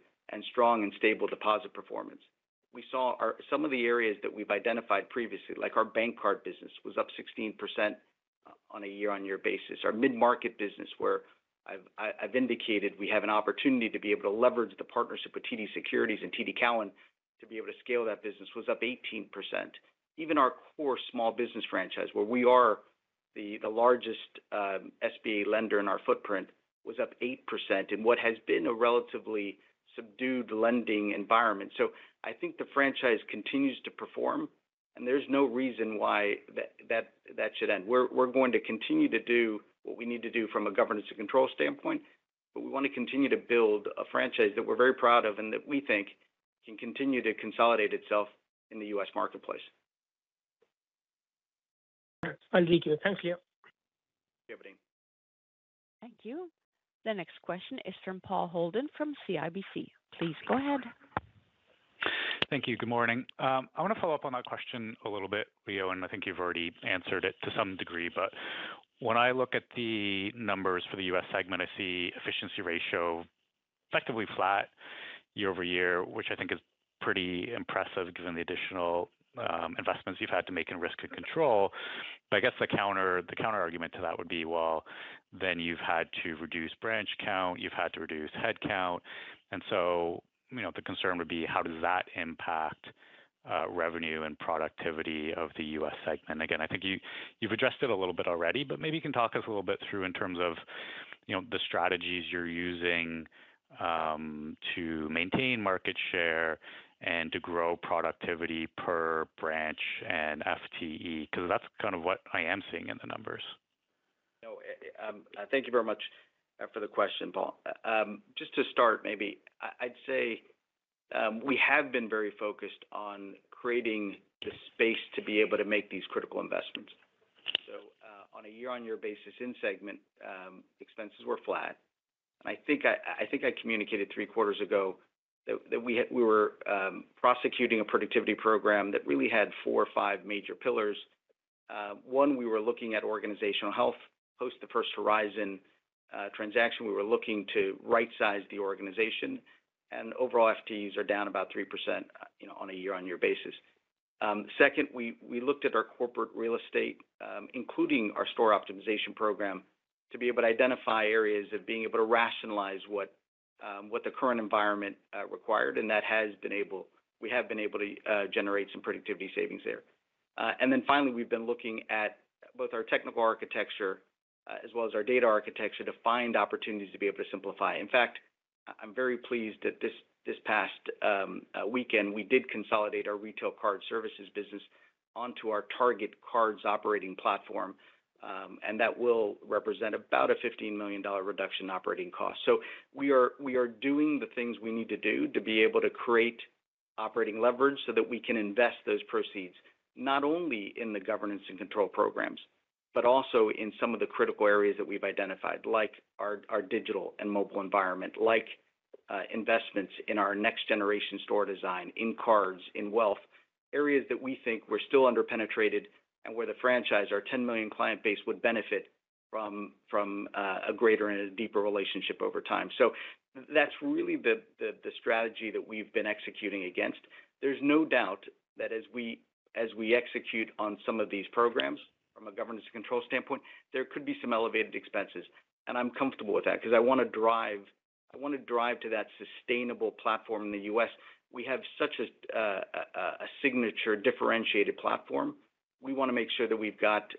strong and stable deposit performance. We saw some of the areas that we've identified previously, like our bank card business, was up 16% on a year-on-year basis. Our mid-market business, where I've indicated we have an opportunity to be able to leverage the partnership with TD Securities and TD Cowen to be able to scale that business, was up 18%. Even our core small business franchise, where we are the largest SBA lender in our footprint, was up 8% in what has been a relatively subdued lending environment. So I think the franchise continues to perform, and there's no reason why that should end. We're going to continue to do what we need to do from a governance and control standpoint, but we want to continue to build a franchise that we're very proud of and that we think can continue to consolidate itself in the U.S. marketplace. Right. I'll leave it here. Thank you. Thank you. Thank you. The next question is from Paul Holden from CIBC. Please, go ahead. Thank you. Good morning. I want to follow up on that question a little bit, Leo, and I think you've already answered it to some degree, but when I look at the numbers for the U.S. segment, I see efficiency ratio effectively flat year-over-year, which I think is pretty impressive, given the additional investments you've had to make in risk and control. But I guess the counterargument to that would be: Well, then you've had to reduce branch count, you've had to reduce headcount. And so, you know, the concern would be: How does that impact revenue and productivity of the U.S. segment? Again, I think you, you've addressed it a little bit already, but maybe you can talk us a little bit through in terms of, you know, the strategies you're using, to maintain market share and to grow productivity per branch and FTE, because that's kind of what I am seeing in the numbers. No, thank you very much for the question, Paul. Just to start, maybe I'd say, we have been very focused on creating the space to be able to make these critical investments. So, on a year-on-year basis in segment expenses were flat. I think I communicated three quarters ago that we were prosecuting a productivity program that really had four or five major pillars. One, we were looking at organizational health. Post the First Horizon transaction, we were looking to rightsize the organization, and overall FTEs are down about 3%, you know, on a year-on-year basis. Second, we looked at our corporate real estate, including our store optimization program, to identify areas of being able to rationalize what the current environment required, and we have been able to generate some productivity savings there. And then finally, we've been looking at both our technical architecture, as well as our data architecture, to find opportunities to be able to simplify. In fact, I'm very pleased that this past weekend, we consolidated our retail card services business onto our Target cards operating platform, and that will represent about a 15 million dollar reduction in operating costs. So we are doing the things we need to do to be able to create operating leverage so that we can invest those proceeds, not only in the governance and control programs, but also in some of the critical areas that we've identified, like our digital and mobile environment, like investments in our next-generation store design, in cards, in wealth areas that we think we're still under-penetrated, and where the franchise, our 10 million client base, would benefit from a greater and a deeper relationship over time. That's really the strategy that we've been executing against. There's no doubt that as we execute on some of these programs, from a governance control standpoint, there could be some elevated expenses, and I'm comfortable with that because I wanna drive to that sustainable platform in the U.S. We have such a signature differentiated platform. We wanna make sure that we've got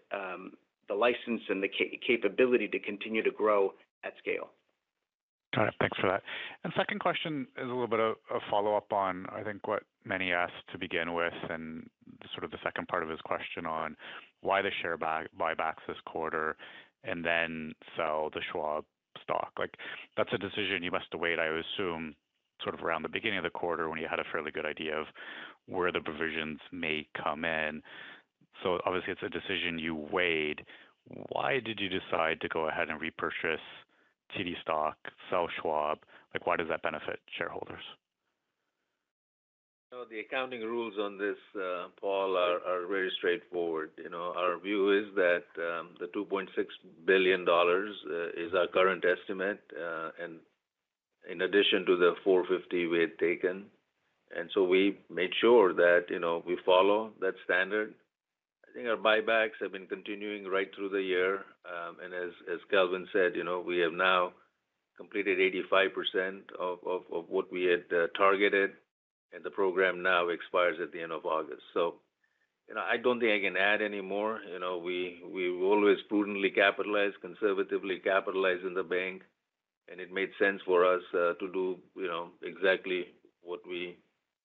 the license and the capability to continue to grow at scale. Got it. Thanks for that. And second question is a little bit of a follow-up on, I think what many asked to begin with, and sort of the second part of this question on why the share buybacks this quarter and then sell the Schwab stock. Like, that's a decision you must have weighed, I assume, sort of around the beginning of the quarter, when you had a fairly good idea of where the provisions may come in. So obviously, it's a decision you weighed. Why did you decide to go ahead and repurchase TD stock, sell Schwab? Like, why does that benefit shareholders? So the accounting rules on this, Paul, are very straightforward. You know, our view is that 2.6 billion dollars is our current estimate, and in addition to the 450 million we had taken, and so we made sure that, you know, we follow that standard. I think our buybacks have been continuing right through the year, and as Kelvin said, you know, we have now completed 85% of what we had targeted, and the program now expires at the end of August, so you know, I don't think I can add any more. You know, we, we've always prudently capitalized, conservatively capitalized in the bank, and it made sense for us to do, you know, exactly what we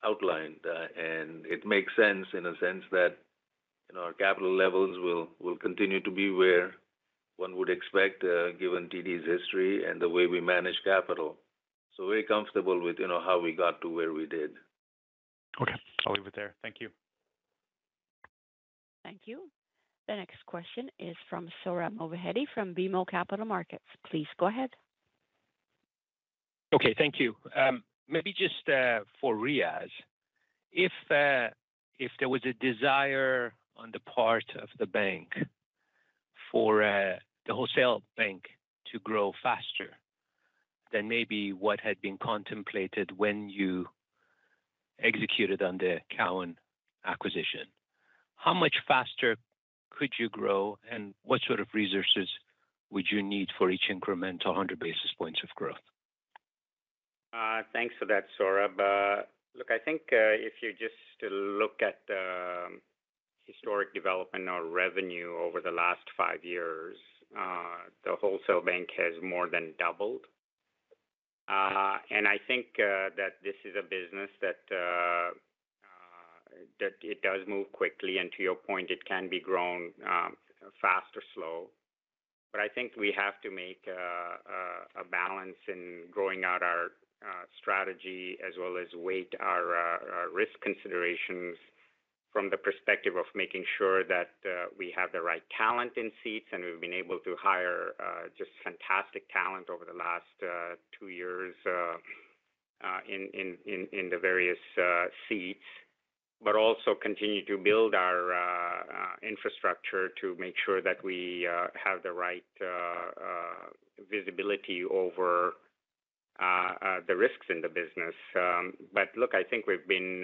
outlined. And it makes sense in a sense that, you know, our capital levels will continue to be where one would expect, given TD's history and the way we manage capital. So we're comfortable with, you know, how we got to where we did. Okay, I'll leave it there. Thank you. Thank you. The next question is from Sohrab Movahedi from BMO Capital Markets. Please go ahead. Okay, thank you. Maybe just for Riaz. If there was a desire on the part of the bank for the wholesale bank to grow faster than maybe what had been contemplated when you executed on the Cowen acquisition, how much faster could you grow, and what sort of resources would you need for each incremental one hundred basis points of growth? Thanks for that, Sohrab. Look, I think if you just look at the historic development or revenue over the last five years, the wholesale bank has more than doubled, and I think that this is a business that it does move quickly, and to your point, it can be grown fast or slow, but I think we have to make a balance in growing out our strategy as well as weigh our risk considerations from the perspective of making sure that we have the right talent in seats, and we've been able to hire just fantastic talent over the last two years in the various seats. But also continue to build our infrastructure to make sure that we have the right visibility over the risks in the business. But look, I think we've been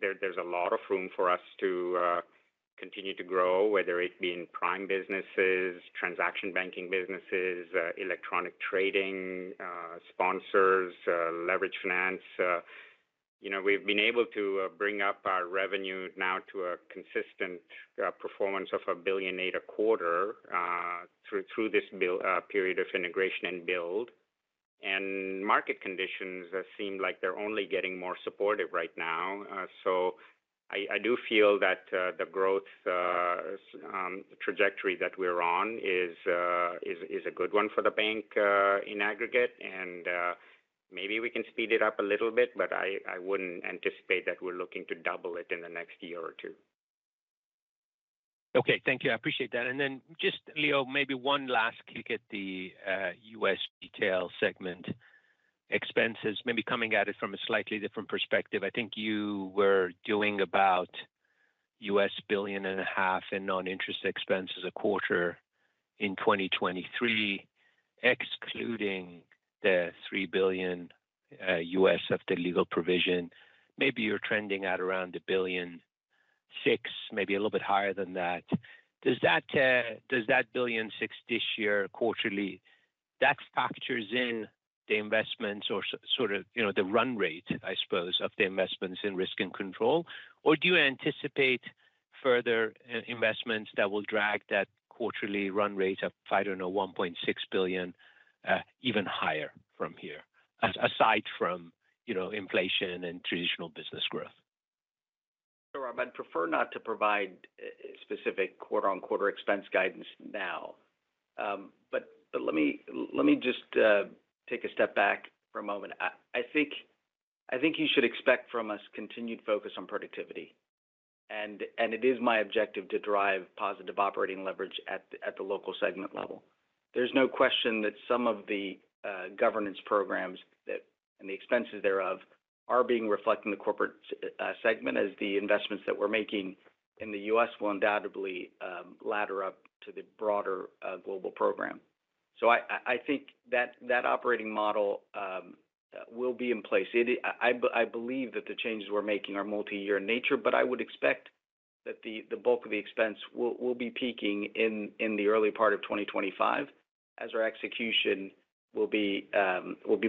there. There's a lot of room for us to continue to grow, whether it be in prime businesses, transaction banking businesses, electronic trading, sponsors, leverage finance. You know, we've been able to bring up our revenue now to a consistent performance of 1.8 billion a quarter, through this build period of integration and build. And market conditions seem like they're only getting more supportive right now. So I do feel that the growth trajectory that we're on is a good one for the bank in aggregate, and maybe we can speed it up a little bit, but I wouldn't anticipate that we're looking to double it in the next year or two. Okay. Thank you. I appreciate that. And then just, Leo, maybe one last kick at the, U.S. retail segment expenses, maybe coming at it from a slightly different perspective. I think you were doing about $1.5 billion in non-interest expenses a quarter in 2023, excluding the $3 billion of the legal provision. Maybe you're trending at around a billion six, maybe a little bit higher than that. Does that billion six this year, quarterly, that factors in the investments or sort of, you know, the run rate, I suppose, of the investments in risk and control? Or do you anticipate further investments that will drag that quarterly run rate of, I don't know, $1.6 billion, even higher from here, aside from, you know, inflation and traditional business growth? Sure. I'd prefer not to provide specific quarter-on-quarter expense guidance now. But let me just take a step back for a moment. I think you should expect from us continued focus on productivity and it is my objective to drive positive operating leverage at the local segment level. There's no question that some of the governance programs that, and the expenses thereof, are being reflected in the corporate segment as the investments that we're making in the U.S. will undoubtedly ladder up to the broader global program. So I think that operating model will be in place. I believe that the changes we're making are multi-year in nature, but I would expect that the bulk of the expense will be peaking in the early part of twenty twenty-five, as our execution will be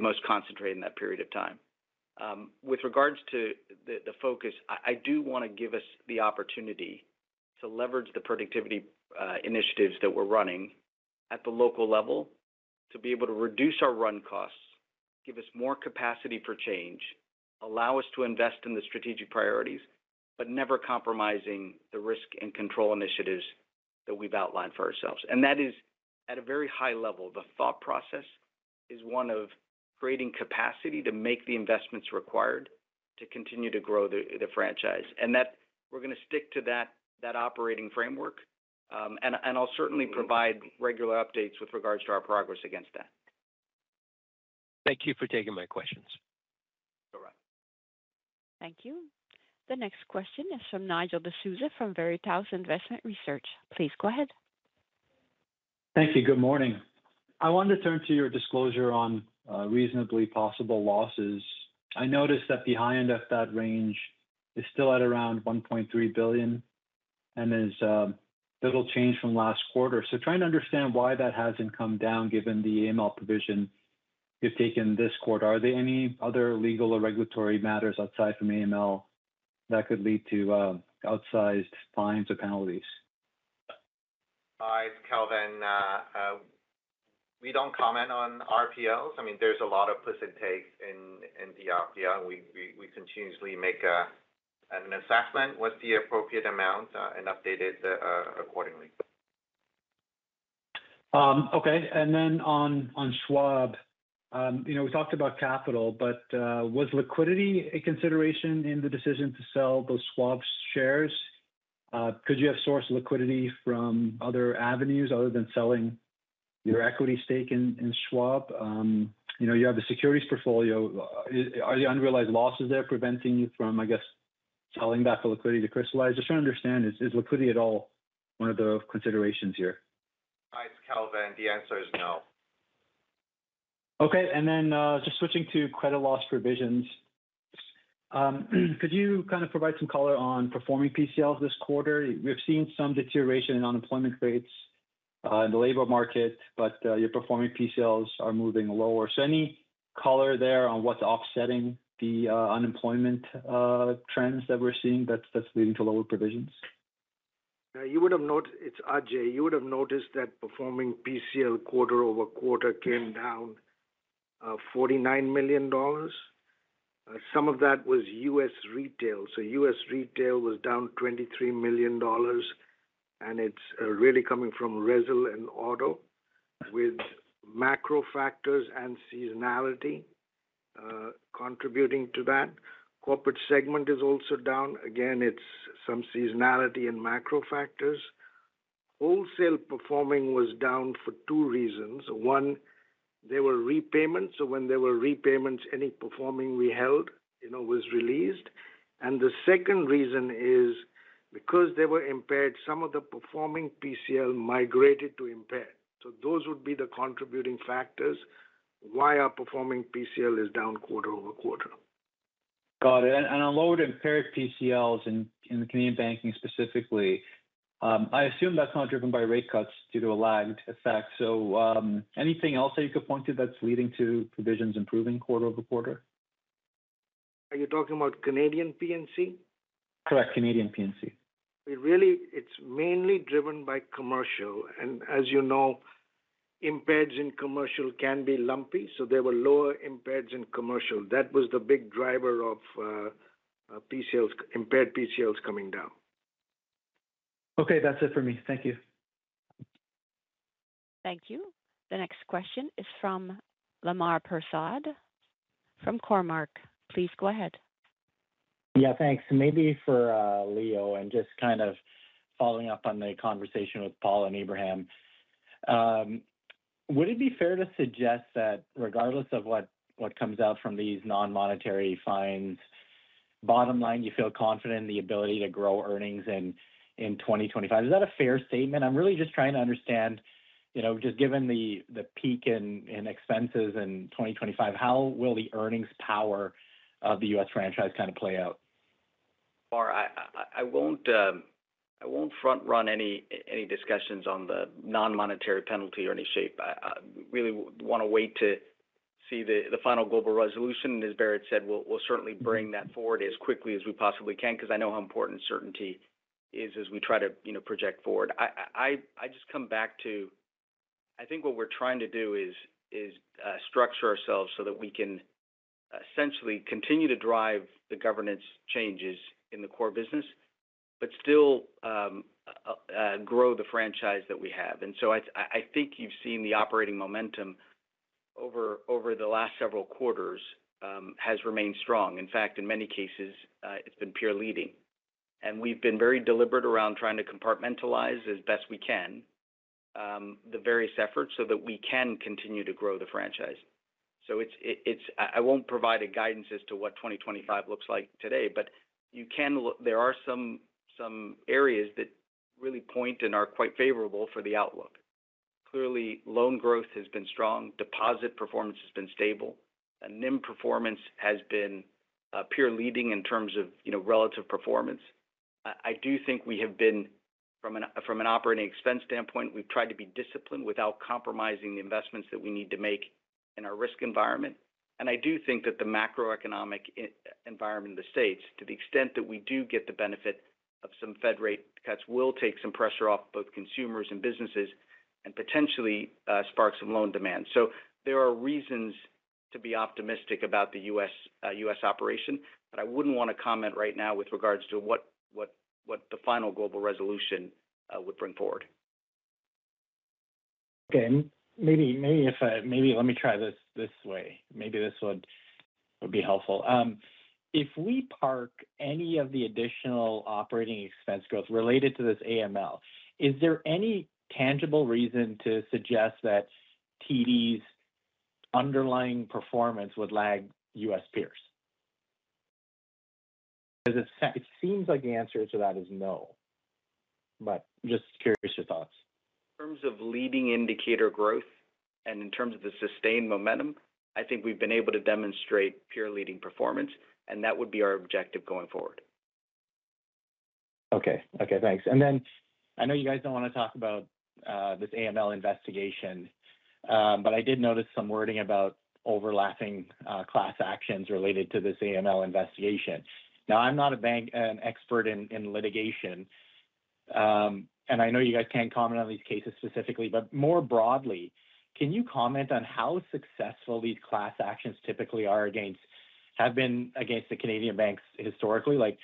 most concentrated in that period of time. With regards to the focus, I do want to give us the opportunity to leverage the productivity initiatives that we're running at the local level, to be able to reduce our run costs, give us more capacity for change, allow us to invest in the strategic priorities, but never compromising the risk and control initiatives that we've outlined for ourselves, and that is at a very high level. The thought process is one of creating capacity to make the investments required to continue to grow the franchise, and that we're going to stick to that operating framework. And I'll certainly provide regular updates with regards to our progress against that. Thank you for taking my questions. All right. Thank you. The next question is from Nigel D'Souza from Veritas Investment Research. Please go ahead. Thank you. Good morning. I wanted to turn to your disclosure on reasonably possible losses. I noticed that the high end of that range is still at around 1.3 billion, and is little change from last quarter. So trying to understand why that hasn't come down, given the AML provision you've taken this quarter. Are there any other legal or regulatory matters outside from AML that could lead to outsized fines or penalties? Hi, it's Kelvin. We don't comment on RPLs. I mean, there's a lot of plus and takes in the RPL, and we continuously make an assessment what's the appropriate amount, and update it accordingly. Okay. And then on Schwab. You know, we talked about capital, but was liquidity a consideration in the decision to sell those Schwab shares? Could you have sourced liquidity from other avenues other than selling your equity stake in Schwab? You know, you have the securities portfolio. Are the unrealized losses there preventing you from, I guess, selling that for liquidity to crystallize? Just trying to understand, is liquidity at all one of the considerations here? Hi, it's Kelvin. The answer is no. Okay. And then, just switching to credit loss provisions. Could you kind of provide some color on performing PCLs this quarter? We've seen some deterioration in unemployment rates, in the labor market, but, your performing PCLs are moving lower. So any color there on what's offsetting the, unemployment, trends that we're seeing that's leading to lower provisions? It's Ajai. You would have noticed that performing PCL quarter-over-quarter came down 49 million dollars. Some of that was U.S. Retail, so U.S. Retail was down 23 million dollars, and it's really coming from resi and auto, with macro factors and seasonality contributing to that. Corporate segment is also down. Again, it's some seasonality and macro factors. Wholesale performing was down for two reasons. One, there were repayments, so when there were repayments, any performing we held, you know, was released. And the second reason is because they were impaired, some of the performing PCL migrated to impaired, so those would be the contributing factors why our performing PCL is down quarter-over-quarter. Got it. And on lower impaired PCLs in the Canadian banking specifically, I assume that's not driven by rate cuts due to a lagged effect. So, anything else that you could point to that's leading to provisions improving quarter-over-quarter? Are you talking about Canadian P&C? Correct. Canadian P&C. We really, it's mainly driven by commercial, and as you know, impairments in commercial can be lumpy, so there were lower impairments in commercial. That was the big driver of PCLs, impaired PCLs coming down. Okay, that's it for me. Thank you. Thank you. The next question is from Lemar Persaud, from Cormark. Please go ahead. Yeah, thanks. Maybe for Leo, and just kind of following up on the conversation with Paul and Ebrahim. Would it be fair to suggest that regardless of what comes out from these non-monetary fines, bottom line, you feel confident in the ability to grow earnings in 2025? Is that a fair statement? I'm really just trying to understand, you know, just given the peak in expenses in 2025, how will the earnings power of the U.S. franchise kind of play out? I won't front-run any discussions on the non-monetary penalty or any shape. I really want to wait to see the final global resolution. And as Bharat said, we'll certainly bring that forward as quickly as we possibly can, because I know how important certainty is as we try to, you know, project forward. I just come back to. I think what we're trying to do is structure ourselves so that we can essentially continue to drive the governance changes in the core business, but still grow the franchise that we have. And so I think you've seen the operating momentum over the last several quarters has remained strong. In fact, in many cases, it's been peer leading. And we've been very deliberate around trying to compartmentalize as best we can the various efforts so that we can continue to grow the franchise. I won't provide a guidance as to what twenty twenty-five looks like today, but you can look. There are some areas that really point and are quite favorable for the outlook. Clearly, loan growth has been strong, deposit performance has been stable, and NIM performance has been peer leading in terms of, you know, relative performance. I do think we have been, from an operating expense standpoint, we've tried to be disciplined without compromising the investments that we need to make in our risk environment. And I do think that the macroeconomic environment in the States, to the extent that we do get the benefit of some Fed rate cuts, will take some pressure off both consumers and businesses and potentially spark some loan demand. So there are reasons to be optimistic about the U.S. operation, but I wouldn't want to comment right now with regards to what the final global resolution would bring forward. Okay. And maybe let me try this way. Maybe this would be helpful. If we park any of the additional operating expense growth related to this AML, is there any tangible reason to suggest that TD's underlying performance would lag U.S. peers? Because it seems like the answer to that is no, but just curious, your thoughts. In terms of leading indicator growth and in terms of the sustained momentum, I think we've been able to demonstrate peer leading performance, and that would be our objective going forward. Okay. Okay, thanks. And then, I know you guys don't want to talk about this AML investigation, but I did notice some wording about overlapping class actions related to this AML investigation. Now, I'm not a banking expert in litigation, and I know you guys can't comment on these cases specifically, but more broadly, can you comment on how successful these class actions typically have been against the Canadian banks historically? Like,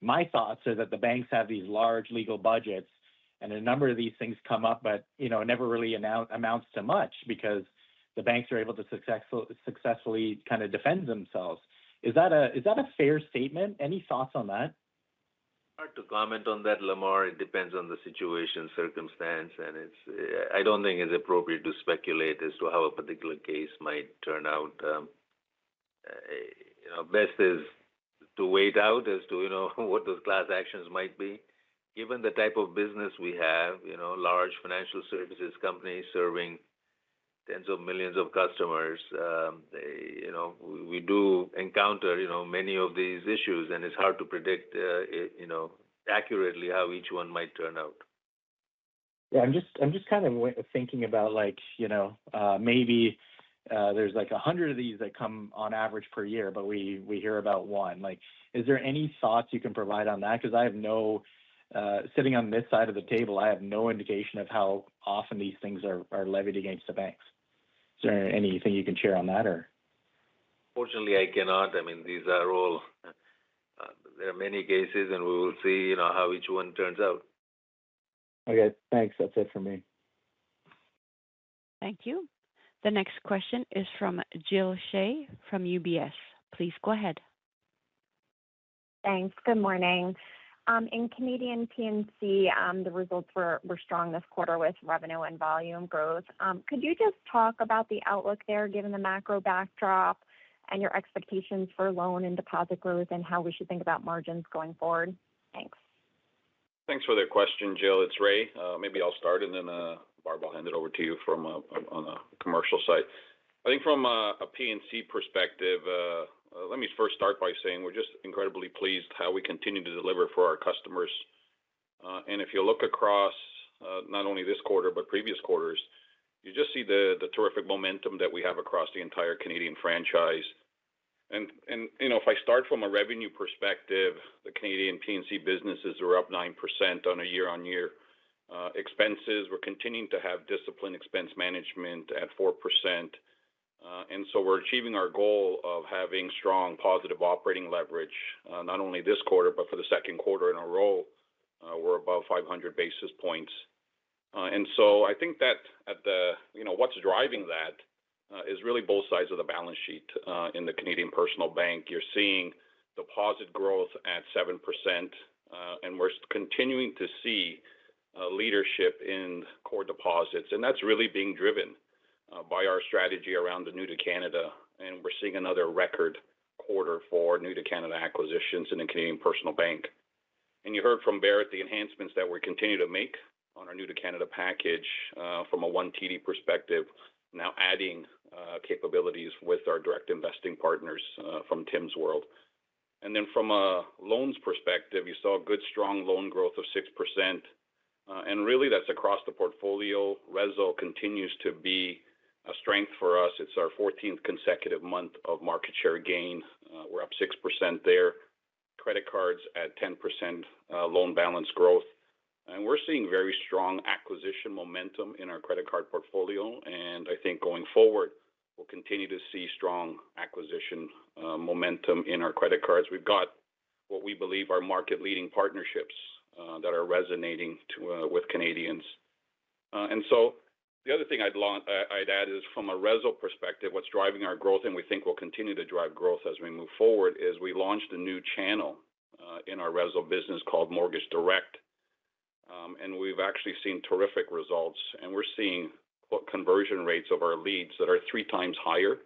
my thoughts are that the banks have these large legal budgets, and a number of these things come up, but, you know, it never really amounts to much because the banks are able to successfully kind of defend themselves. Is that a fair statement? Any thoughts on that? Hard to comment on that, Lemar. It depends on the situation, circumstance, and it's I don't think it's appropriate to speculate as to how a particular case might turn out. You know, best is to wait out as to, you know, what those class actions might be. Given the type of business we have, you know, large financial services company serving tens of millions of customers, they, you know, we do encounter, you know, many of these issues, and it's hard to predict, you know, accurately how each one might turn out. Yeah, I'm just kind of thinking about, like, you know, maybe there's like a hundred of these that come on average per year, but we hear about one. Like, is there any thoughts you can provide on that? Because I have no sitting on this side of the table, I have no indication of how often these things are levied against the banks. Is there anything you can share on that, or? Unfortunately, I cannot. I mean, these are all. There are many cases, and we will see, you know, how each one turns out. Okay, thanks. That's it for me. Thank you. The next question is from Jill Shea from UBS. Please go ahead. Thanks. Good morning. In Canadian Personal Banking, the results were strong this quarter with revenue and volume growth. Could you just talk about the outlook there, given the macro backdrop and your expectations for loan and deposit growth, and how we should think about margins going forward? Thanks. Thanks for the question, Jill. It's Ray. Maybe I'll start, and then, Barb, I'll hand it over to you from a commercial side. I think from a P&C perspective, let me first start by saying we're just incredibly pleased how we continue to deliver for our customers. And if you look across, not only this quarter but previous quarters, you just see the terrific momentum that we have across the entire Canadian franchise. And, you know, if I start from a revenue perspective, the Canadian P&C businesses are up 9% on a year-on-year. Expenses, we're continuing to have disciplined expense management at 4%. And so we're achieving our goal of having strong positive operating leverage, not only this quarter, but for the second quarter in a row, we're above 500 basis points. And so I think that, you know, what's driving that is really both sides of the balance sheet. In the Canadian Personal Banking, you're seeing deposit growth at 7%, and we're continuing to see leadership in core deposits. And that's really being driven by our strategy around the new to Canada, and we're seeing another record quarter for new to Canada acquisitions in the Canadian Personal Banking. And you heard from Bharat the enhancements that we continue to make on our new to Canada package, from a One TD perspective, now adding capabilities with our direct investing partners, from Tim's world. And then from a loans perspective, you saw good, strong loan growth of 6%, and really that's across the portfolio. RESL continues to be a strength for us. It's our fourteenth consecutive month of market share gain. We're up 6% there. Credit cards at 10%, loan balance growth. And we're seeing very strong acquisition momentum in our credit card portfolio, and I think going forward, we'll continue to see strong acquisition momentum in our credit cards. We've got what we believe are market-leading partnerships that are resonating with Canadians. And so the other thing I'd add is from a real estate secured lending perspective, what's driving our growth, and we think will continue to drive growth as we move forward, is we launched a new channel in our real estate secured lending business called Mortgage Direct. and we've actually seen terrific results, and we're seeing, quote, "conversion rates of our leads that are three times higher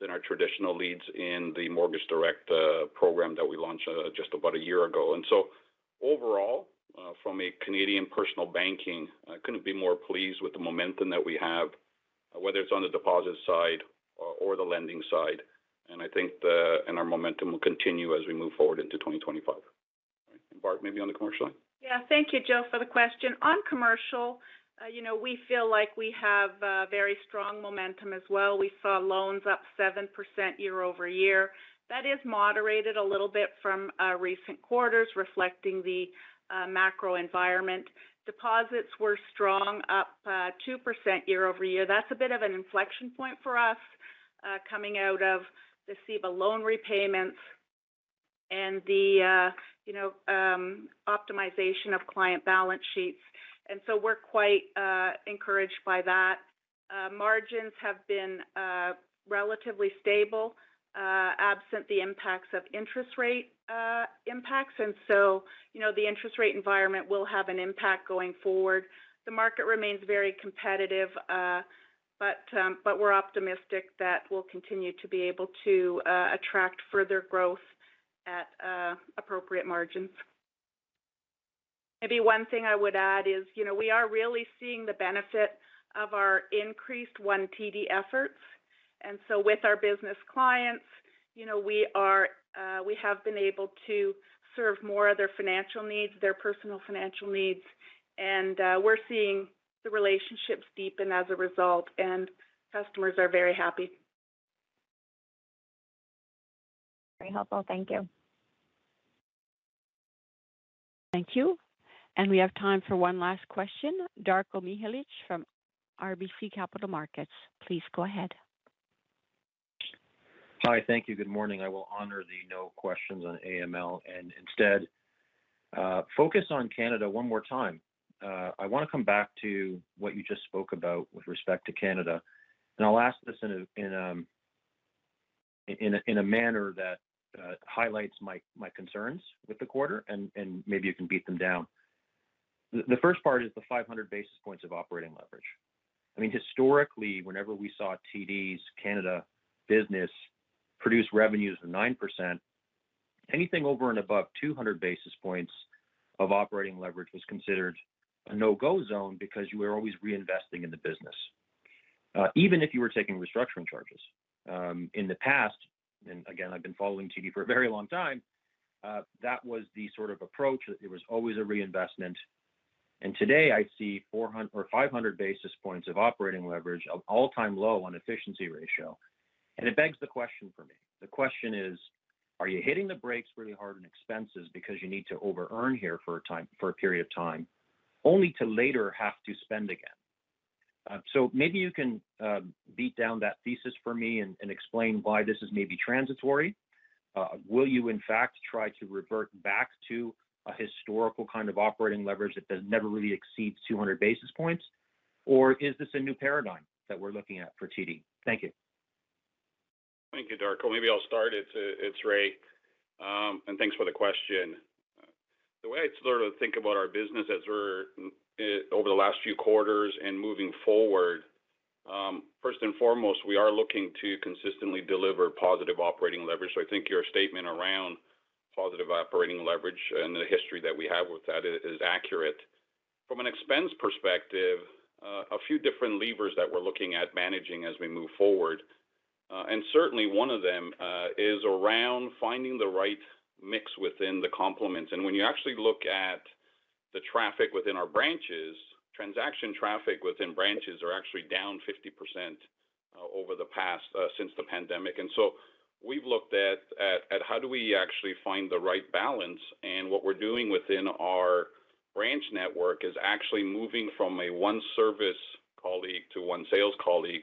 than our traditional leads in the Mortgage Direct program that we launched just about a year ago." And so overall, from a Canadian Personal Banking, I couldn't be more pleased with the momentum that we have, whether it's on the deposit side or the lending side, and I think our momentum will continue as we move forward into twenty twenty-five. Bart, maybe on the commercial line? Yeah. Thank you, Joe, for the question. On commercial, you know, we feel like we have very strong momentum as well. We saw loans up 7% year-over-year. That is moderated a little bit from recent quarters, reflecting the macro environment. Deposits were strong, up 2% year-over-year. That's a bit of an inflection point for us, coming out of the CEBA loan repayments and the, you know, optimization of client balance sheets. And so we're quite encouraged by that. Margins have been relatively stable, absent the impacts of interest rate impacts. And so, you know, the interest rate environment will have an impact going forward. The market remains very competitive, but we're optimistic that we'll continue to be able to attract further growth at appropriate margins. Maybe one thing I would add is, you know, we are really seeing the benefit of our increased One TD efforts. And so with our business clients, you know, we are, we have been able to serve more of their financial needs, their personal financial needs, and, we're seeing the relationships deepen as a result, and customers are very happy. Very helpful. Thank you. Thank you. And we have time for one last question. Darko Mihelic from RBC Capital Markets, please go ahead. Hi, thank you. Good morning. I will honor the no questions on AML and instead focus on Canada one more time. I want to come back to what you just spoke about with respect to Canada, and I'll ask this in a manner that highlights my concerns with the quarter, and maybe you can beat them down. The first part is the 500 basis points of operating leverage. I mean, historically, whenever we saw TD's Canada business produce revenues of 9%, anything over and above 200 basis points of operating leverage was considered a no-go zone because you were always reinvesting in the business, even if you were taking restructuring charges. In the past, and again, I've been following TD for a very long time, that was the sort of approach, that there was always a reinvestment, and today, I see four or five hundred basis points of operating leverage, an all-time low on efficiency ratio, and it begs the question for me. The question is: Are you hitting the brakes really hard on expenses because you need to overearn here for a period of time, only to later have to spend again? So maybe you can beat down that thesis for me and explain why this is maybe transitory. Will you, in fact, try to revert back to a historical kind of operating leverage that does never really exceeds two hundred basis points, or is this a new paradigm that we're looking at for TD? Thank you. Thank you, Darko. Maybe I'll start it. It's Ray, and thanks for the question. The way I sort of think about our business as we're over the last few quarters and moving forward, first and foremost, we are looking to consistently deliver positive operating leverage. So I think your statement around positive operating leverage and the history that we have with that is accurate. From an expense perspective, a few different levers that we're looking at managing as we move forward, and certainly one of them is around finding the right mix within the complements. And when you actually look at the traffic within our branches, transaction traffic within branches are actually down 50% over the past since the pandemic. And so we've looked at how do we actually find the right balance? And what we're doing within our branch network is actually moving from a one service colleague to one sales colleague,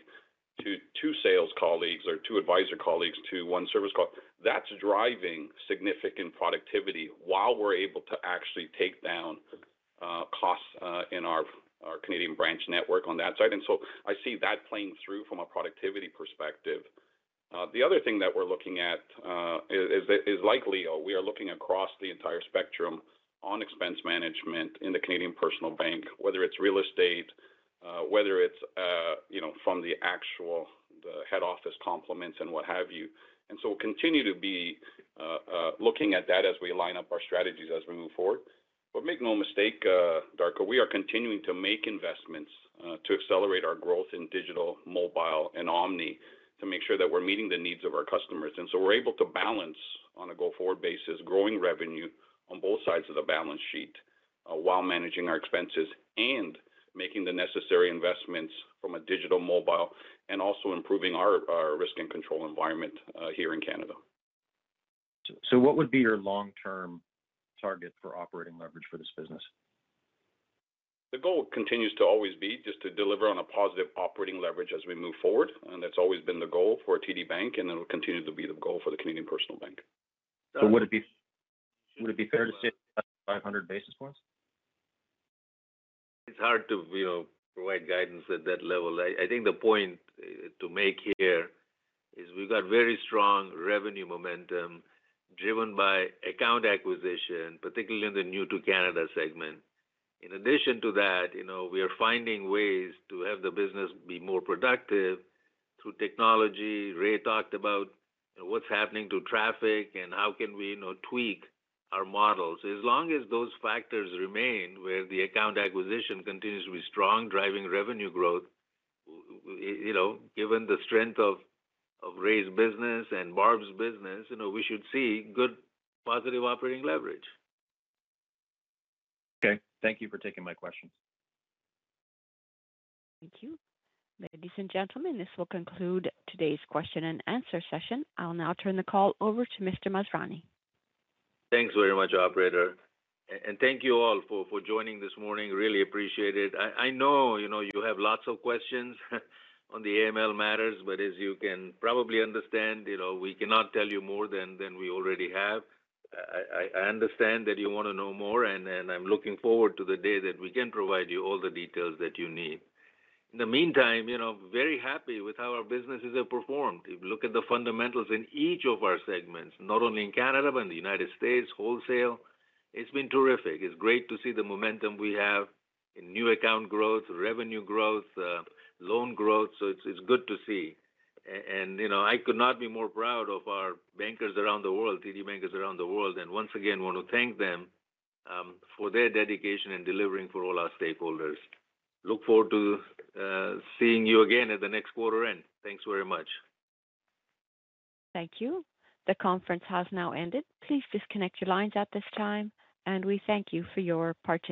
to two sales colleagues or two advisor colleagues to one service colleague. That's driving significant productivity while we're able to actually take down costs in our Canadian branch network on that side. And so I see that playing through from a productivity perspective. The other thing that we're looking at is likely, or we are looking across the entire spectrum on expense management in the Canadian personal bank, whether it's real estate, whether it's you know, from the actual, the head office complement and what have you. And so we'll continue to be looking at that as we line up our strategies as we move forward. But make no mistake, Darko, we are continuing to make investments to accelerate our growth in digital, mobile, and omni, to make sure that we're meeting the needs of our customers. And so we're able to balance, on a go-forward basis, growing revenue on both sides of the balance sheet while managing our expenses and making the necessary investments in digital, mobile, and also improving our risk and control environment here in Canada. What would be your long-term target for operating leverage for this business?... The goal continues to always be just to deliver on a positive operating leverage as we move forward, and that's always been the goal for TD Bank, and it will continue to be the goal for the Canadian Personal Banking. Would it be fair to say 500 basis points? It's hard to, you know, provide guidance at that level. I think the point to make here is we've got very strong revenue momentum driven by account acquisition, particularly in the new to Canada segment. In addition to that, you know, we are finding ways to have the business be more productive through technology. Ray talked about what's happening to traffic and how can we, you know, tweak our models. As long as those factors remain, where the account acquisition continues to be strong, driving revenue growth, you know, given the strength of Ray's business and Barb's business, you know, we should see good positive operating leverage. Okay. Thank you for taking my questions. Thank you. Ladies and gentlemen, this will conclude today's question and answer session. I'll now turn the call over to Mr. Masrani. Thanks very much, operator, and thank you all for joining this morning. Really appreciate it. I know, you know, you have lots of questions on the AML matters, but as you can probably understand, you know, we cannot tell you more than we already have. I understand that you want to know more, and I'm looking forward to the day that we can provide you all the details that you need. In the meantime, you know, very happy with how our businesses have performed. If you look at the fundamentals in each of our segments, not only in Canada, but in the United States, wholesale, it's been terrific. It's great to see the momentum we have in new account growth, revenue growth, loan growth, so it's good to see. And, you know, I could not be more proud of our bankers around the world, TD bankers around the world, and once again want to thank them for their dedication in delivering for all our stakeholders. Look forward to seeing you again at the next quarter end. Thanks very much. Thank you. The conference has now ended. Please disconnect your lines at this time, and we thank you for your participation.